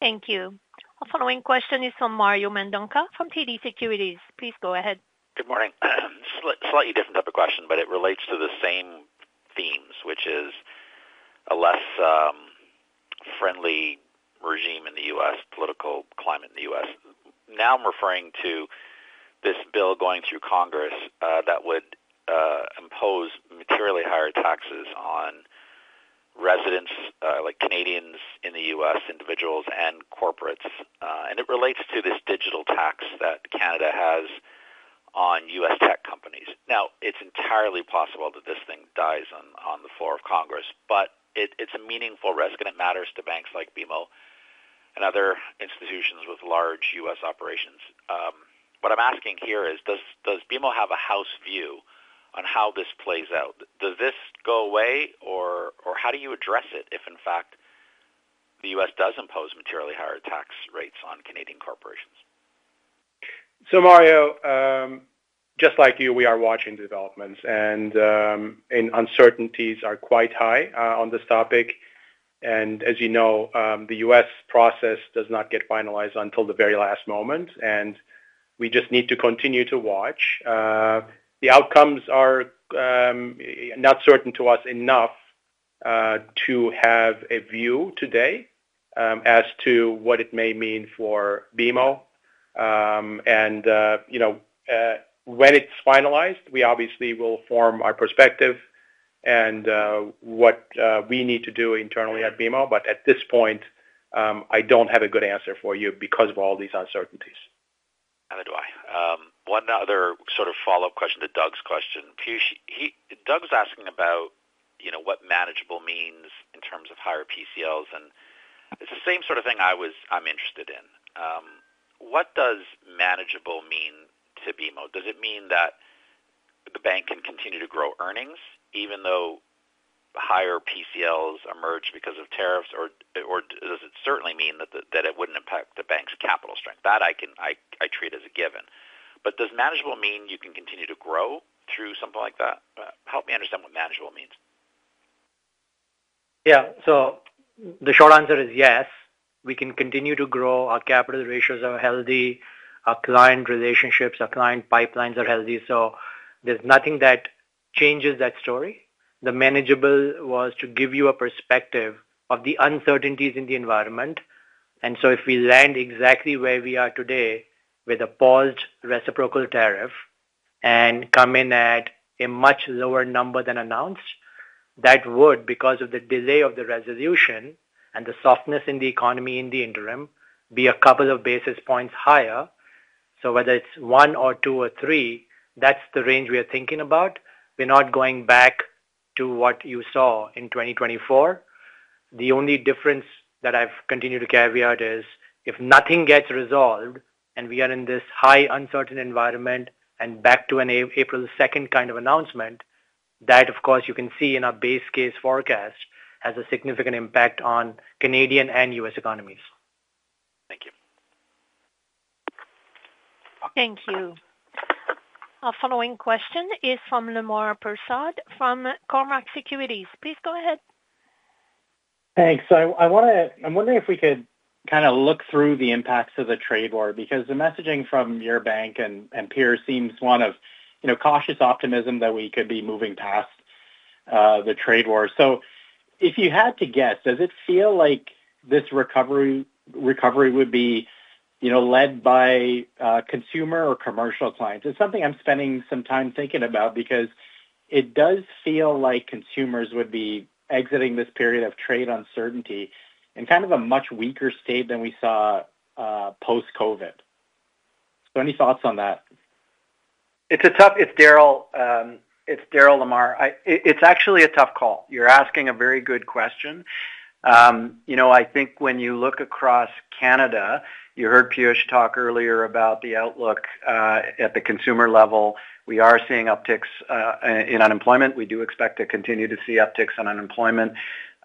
A: Thank you. A following question is from Mario Mendonca from TD Securities. Please go ahead.
Q: Good morning. Slightly different type of question, but it relates to the same themes, which is a less friendly regime in the U.S., political climate in the U.S. Now I'm referring to this bill going through Congress that would impose materially higher taxes on residents, Canadians in the U.S., individuals, and corporates. It relates to this digital tax that Canada has on U.S. tech companies. Now, it's entirely possible that this thing dies on the floor of Congress, but it's a meaningful risk, and it matters to banks like BMO and other institutions with large U.S. operations. What I'm asking here is, does BMO have a house view on how this plays out? Does this go away, or how do you address it if, in fact, the U.S. does impose materially higher tax rates on Canadian corporations?
C: Mario, just like you, we are watching developments. Uncertainties are quite high on this topic. As you know, the U.S. process does not get finalized until the very last moment. We just need to continue to watch. The outcomes are not certain to us enough to have a view today as to what it may mean for BMO. When it's finalized, we obviously will form our perspective and what we need to do internally at BMO. At this point, I don't have a good answer for you because of all these uncertainties.
Q: Kind of do I. One other sort of follow-up question to Doug's question. Doug's asking about what manageable means in terms of higher PCLs. It's the same sort of thing I'm interested in. What does manageable mean to BMO? Does it mean that the bank can continue to grow earnings even though higher PCLs emerge because of tariffs, or does it certainly mean that it wouldn't impact the bank's capital strength? That I treat as a given. Does manageable mean you can continue to grow through something like that? Help me understand what manageable means.
D: Yeah. The short answer is yes. We can continue to grow. Our capital ratios are healthy. Our client relationships, our client pipelines are healthy. There is nothing that changes that story. The manageable was to give you a perspective of the uncertainties in the environment. If we land exactly where we are today with a paused reciprocal tariff and come in at a much lower number than announced, that would, because of the delay of the resolution and the softness in the economy in the interim, be a couple of basis points higher. Whether it is one or two or three, that is the range we are thinking about. We are not going back to what you saw in 2024. The only difference that I've continued to caveat is if nothing gets resolved and we are in this high uncertain environment and back to an April 2nd kind of announcement, that, of course, you can see in our base case forecast has a significant impact on Canadian and U.S. economies.
Q: Thank you.
A: Thank you. A following question is from Lemar Persaud from Cormark Securities. Please go ahead.
R: Thanks. I'm wondering if we could kind of look through the impacts of the trade war because the messaging from your bank and peers seems one of cautious optimism that we could be moving past the trade war. So if you had to guess, does it feel like this recovery would be led by consumer or commercial clients? It's something I'm spending some time thinking about because it does feel like consumers would be exiting this period of trade uncertainty in kind of a much weaker state than we saw post-Covid. Any thoughts on that?
C: It's a tough—it's Darryl, Lemar. It's actually a tough call. You're asking a very good question. I think when you look across Canada, you heard Piyush talk earlier about the outlook at the consumer level. We are seeing upticks in unemployment. We do expect to continue to see upticks in unemployment.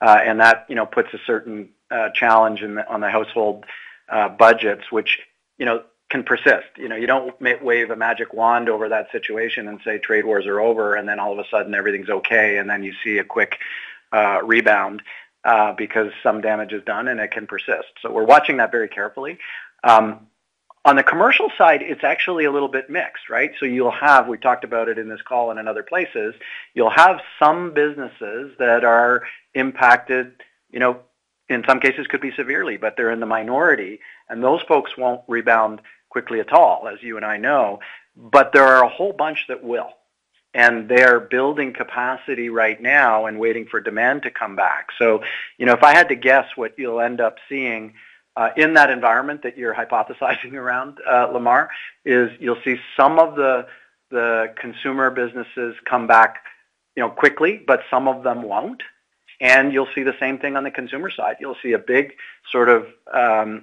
C: That puts a certain challenge on the household budgets, which can persist. You don't wave a magic wand over that situation and say trade wars are over, and then all of a sudden everything's okay, and then you see a quick rebound because some damage is done, and it can persist. We are watching that very carefully. On the commercial side, it's actually a little bit mixed, right? You'll have—we talked about it in this call and in other places—you'll have some businesses that are impacted, in some cases could be severely, but they're in the minority. Those folks won't rebound quickly at all, as you and I know. There are a whole bunch that will. They are building capacity right now and waiting for demand to come back. If I had to guess what you'll end up seeing in that environment that you're hypothesizing around, Lemoire, you'll see some of the consumer businesses come back quickly, but some of them won't. You'll see the same thing on the consumer side. You'll see a big sort of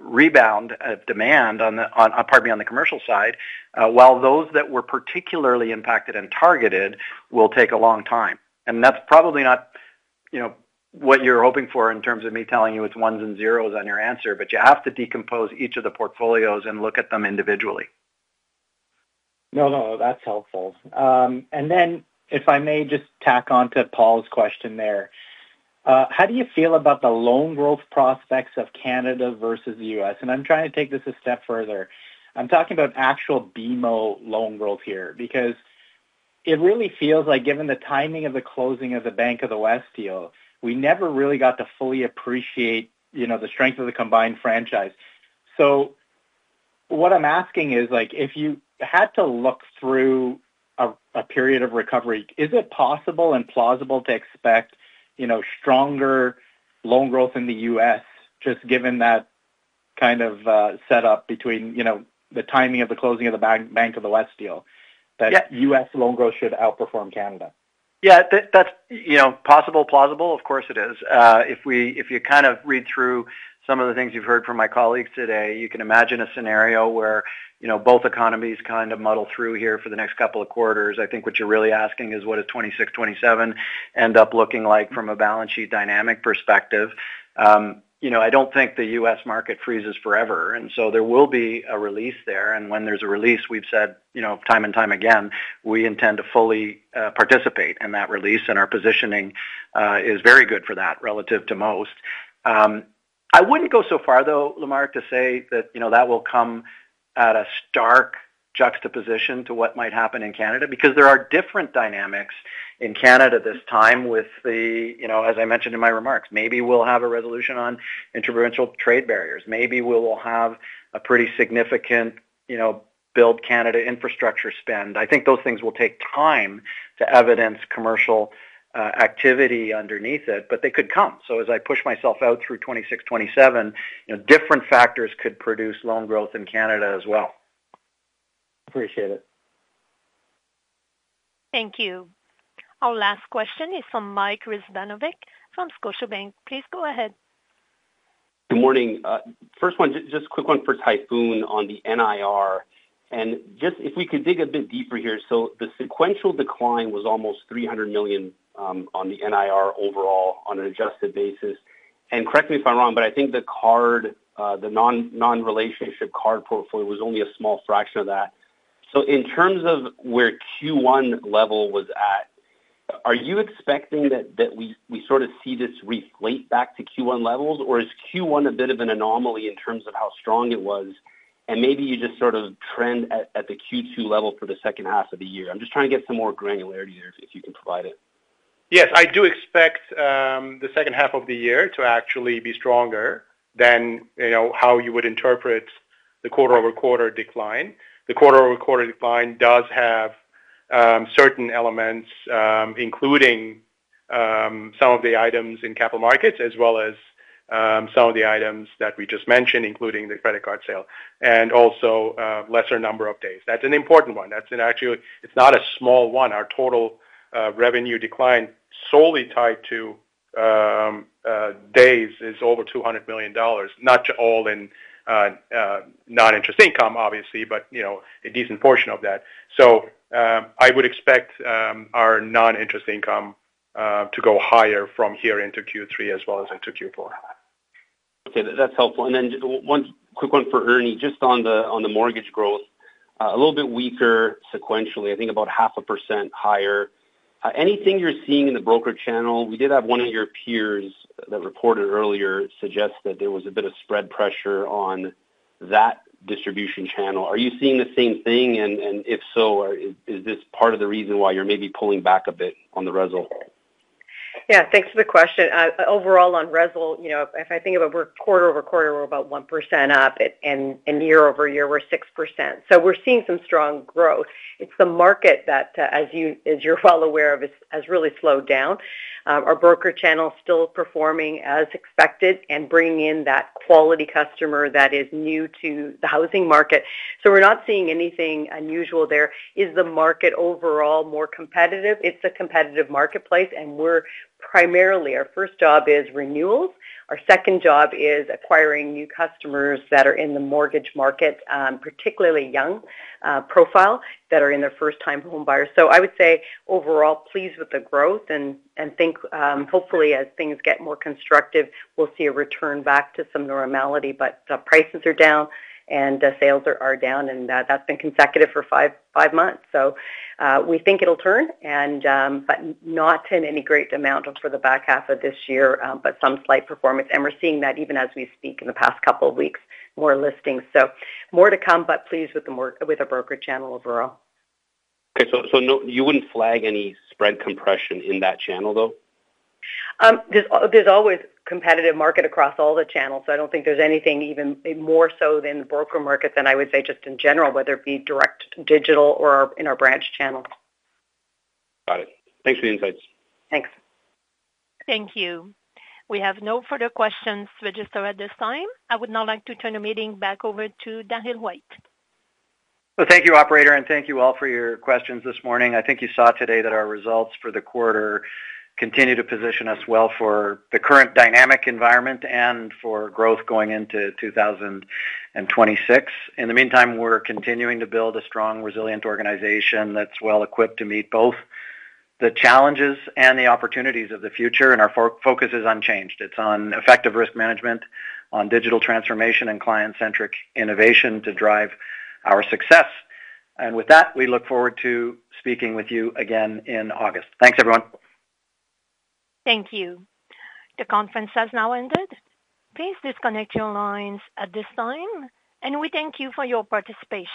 C: rebound of demand, pardon me, on the commercial side, while those that were particularly impacted and targeted will take a long time. That's probably not what you're hoping for in terms of me telling you it's ones and zeros on your answer, but you have to decompose each of the portfolios and look at them individually.
R: No, that's helpful. If I may just tack on to Paul's question there, how do you feel about the loan growth prospects of Canada versus the U.S.? I'm trying to take this a step further. I'm talking about actual BMO loan growth here because it really feels like, given the timing of the closing of the Bank of the West deal, we never really got to fully appreciate the strength of the combined franchise. What I'm asking is, if you had to look through a period of recovery, is it possible and plausible to expect stronger loan growth in the U.S., just given that kind of setup between the timing of the closing of the Bank of the West deal, that U.S. loan growth should outperform Canada?
C: Yeah. That's possible, plausible. Of course, it is. If you kind of read through some of the things you've heard from my colleagues today, you can imagine a scenario where both economies kind of muddle through here for the next couple of quarters. I think what you're really asking is, what does 2026, 2027 end up looking like from a balance sheet dynamic perspective? I don't think the U.S. market freezes forever. There will be a release there. When there is a release, we have said time and time again, we intend to fully participate in that release. Our positioning is very good for that relative to most. I would not go so far, though, Lemoire, to say that that will come at a stark juxtaposition to what might happen in Canada because there are different dynamics in Canada this time with the, as I mentioned in my remarks, maybe we will have a resolution on interventional trade barriers. Maybe we will have a pretty significant Build Canada infrastructure spend. I think those things will take time to evidence commercial activity underneath it, but they could come. As I push myself out through 2026, 2027, different factors could produce loan growth in Canada as well.
R: Appreciate it.
A: Thank you. Our last question is from Mike Risvanovic from Scotiabank. Please go ahead.
S: Good morning. First one, just a quick one for Tayfun on the NIR. Just if we could dig a bit deeper here. The sequential decline was almost $300 million on the NIR overall on an adjusted basis. Correct me if I'm wrong, but I think the non-relationship card portfolio was only a small fraction of that. In terms of where Q1 level was at, are you expecting that we sort of see this reflate back to Q1 levels, or is Q1 a bit of an anomaly in terms of how strong it was? Maybe you just sort of trend at the Q2 level for the second half of the year. I'm just trying to get some more granularity there if you can provide it.
D: Yes. I do expect the second half of the year to actually be stronger than how you would interpret the quarter-over-quarter decline. The quarter-over-quarter decline does have certain elements, including some of the items in capital markets, as well as some of the items that we just mentioned, including the credit card sale, and also lesser number of days. That's an important one. Actually, it's not a small one. Our total revenue decline solely tied to days is over $200 million, not all in non-interest income, obviously, but a decent portion of that. I would expect our non-interest income to go higher from here into Q3 as well as into Q4.
S: Okay. That's helpful. One quick one for Ernie, just on the mortgage growth, a little bit weaker sequentially, I think about half a percent higher. Anything you're seeing in the broker channel? We did have one of your peers that reported earlier suggest that there was a bit of spread pressure on that distribution channel. Are you seeing the same thing? If so, is this part of the reason why you're maybe pulling back a bit on the REZL?
G: Yeah. Thanks for the question. Overall on REZL, if I think about quarter over quarter, we're about 1% up, and year over year, we're 6%. We're seeing some strong growth. It's the market that, as you're well aware of, has really slowed down. Our broker channel is still performing as expected and bringing in that quality customer that is new to the housing market. We're not seeing anything unusual there. Is the market overall more competitive? It's a competitive marketplace, and we're primarily—our first job is renewals. Our second job is acquiring new customers that are in the mortgage market, particularly young profile that are in their first-time home buyers. I would say overall, pleased with the growth. Hopefully, as things get more constructive, we will see a return back to some normality. Prices are down, and sales are down, and that has been consecutive for five months. We think it will turn, but not in any great amount for the back half of this year, but some slight performance. We are seeing that even as we speak in the past couple of weeks, more listings. More to come, but pleased with the broker channel overall.
S: Okay. You would not flag any spread compression in that channel, though?
G: There is always a competitive market across all the channels. I do not think there is anything even more so than the broker market than I would say just in general, whether it be direct digital or in our branch channel.
S: Got it. Thanks for the insights. Thanks.
A: Thank you. We have no further questions registered at this time. I would now like to turn the meeting back over to Darryl White.
C: Thank you, Operator, and thank you all for your questions this morning. I think you saw today that our results for the quarter continue to position us well for the current dynamic environment and for growth going into 2026. In the meantime, we're continuing to build a strong, resilient organization that's well equipped to meet both the challenges and the opportunities of the future, and our focus is unchanged. It's on effective risk management, on digital transformation, and client-centric innovation to drive our success. With that, we look forward to speaking with you again in August. Thanks, everyone.
A: Thank you. The conference has now ended. Please disconnect your lines at this time, and we thank you for your participation.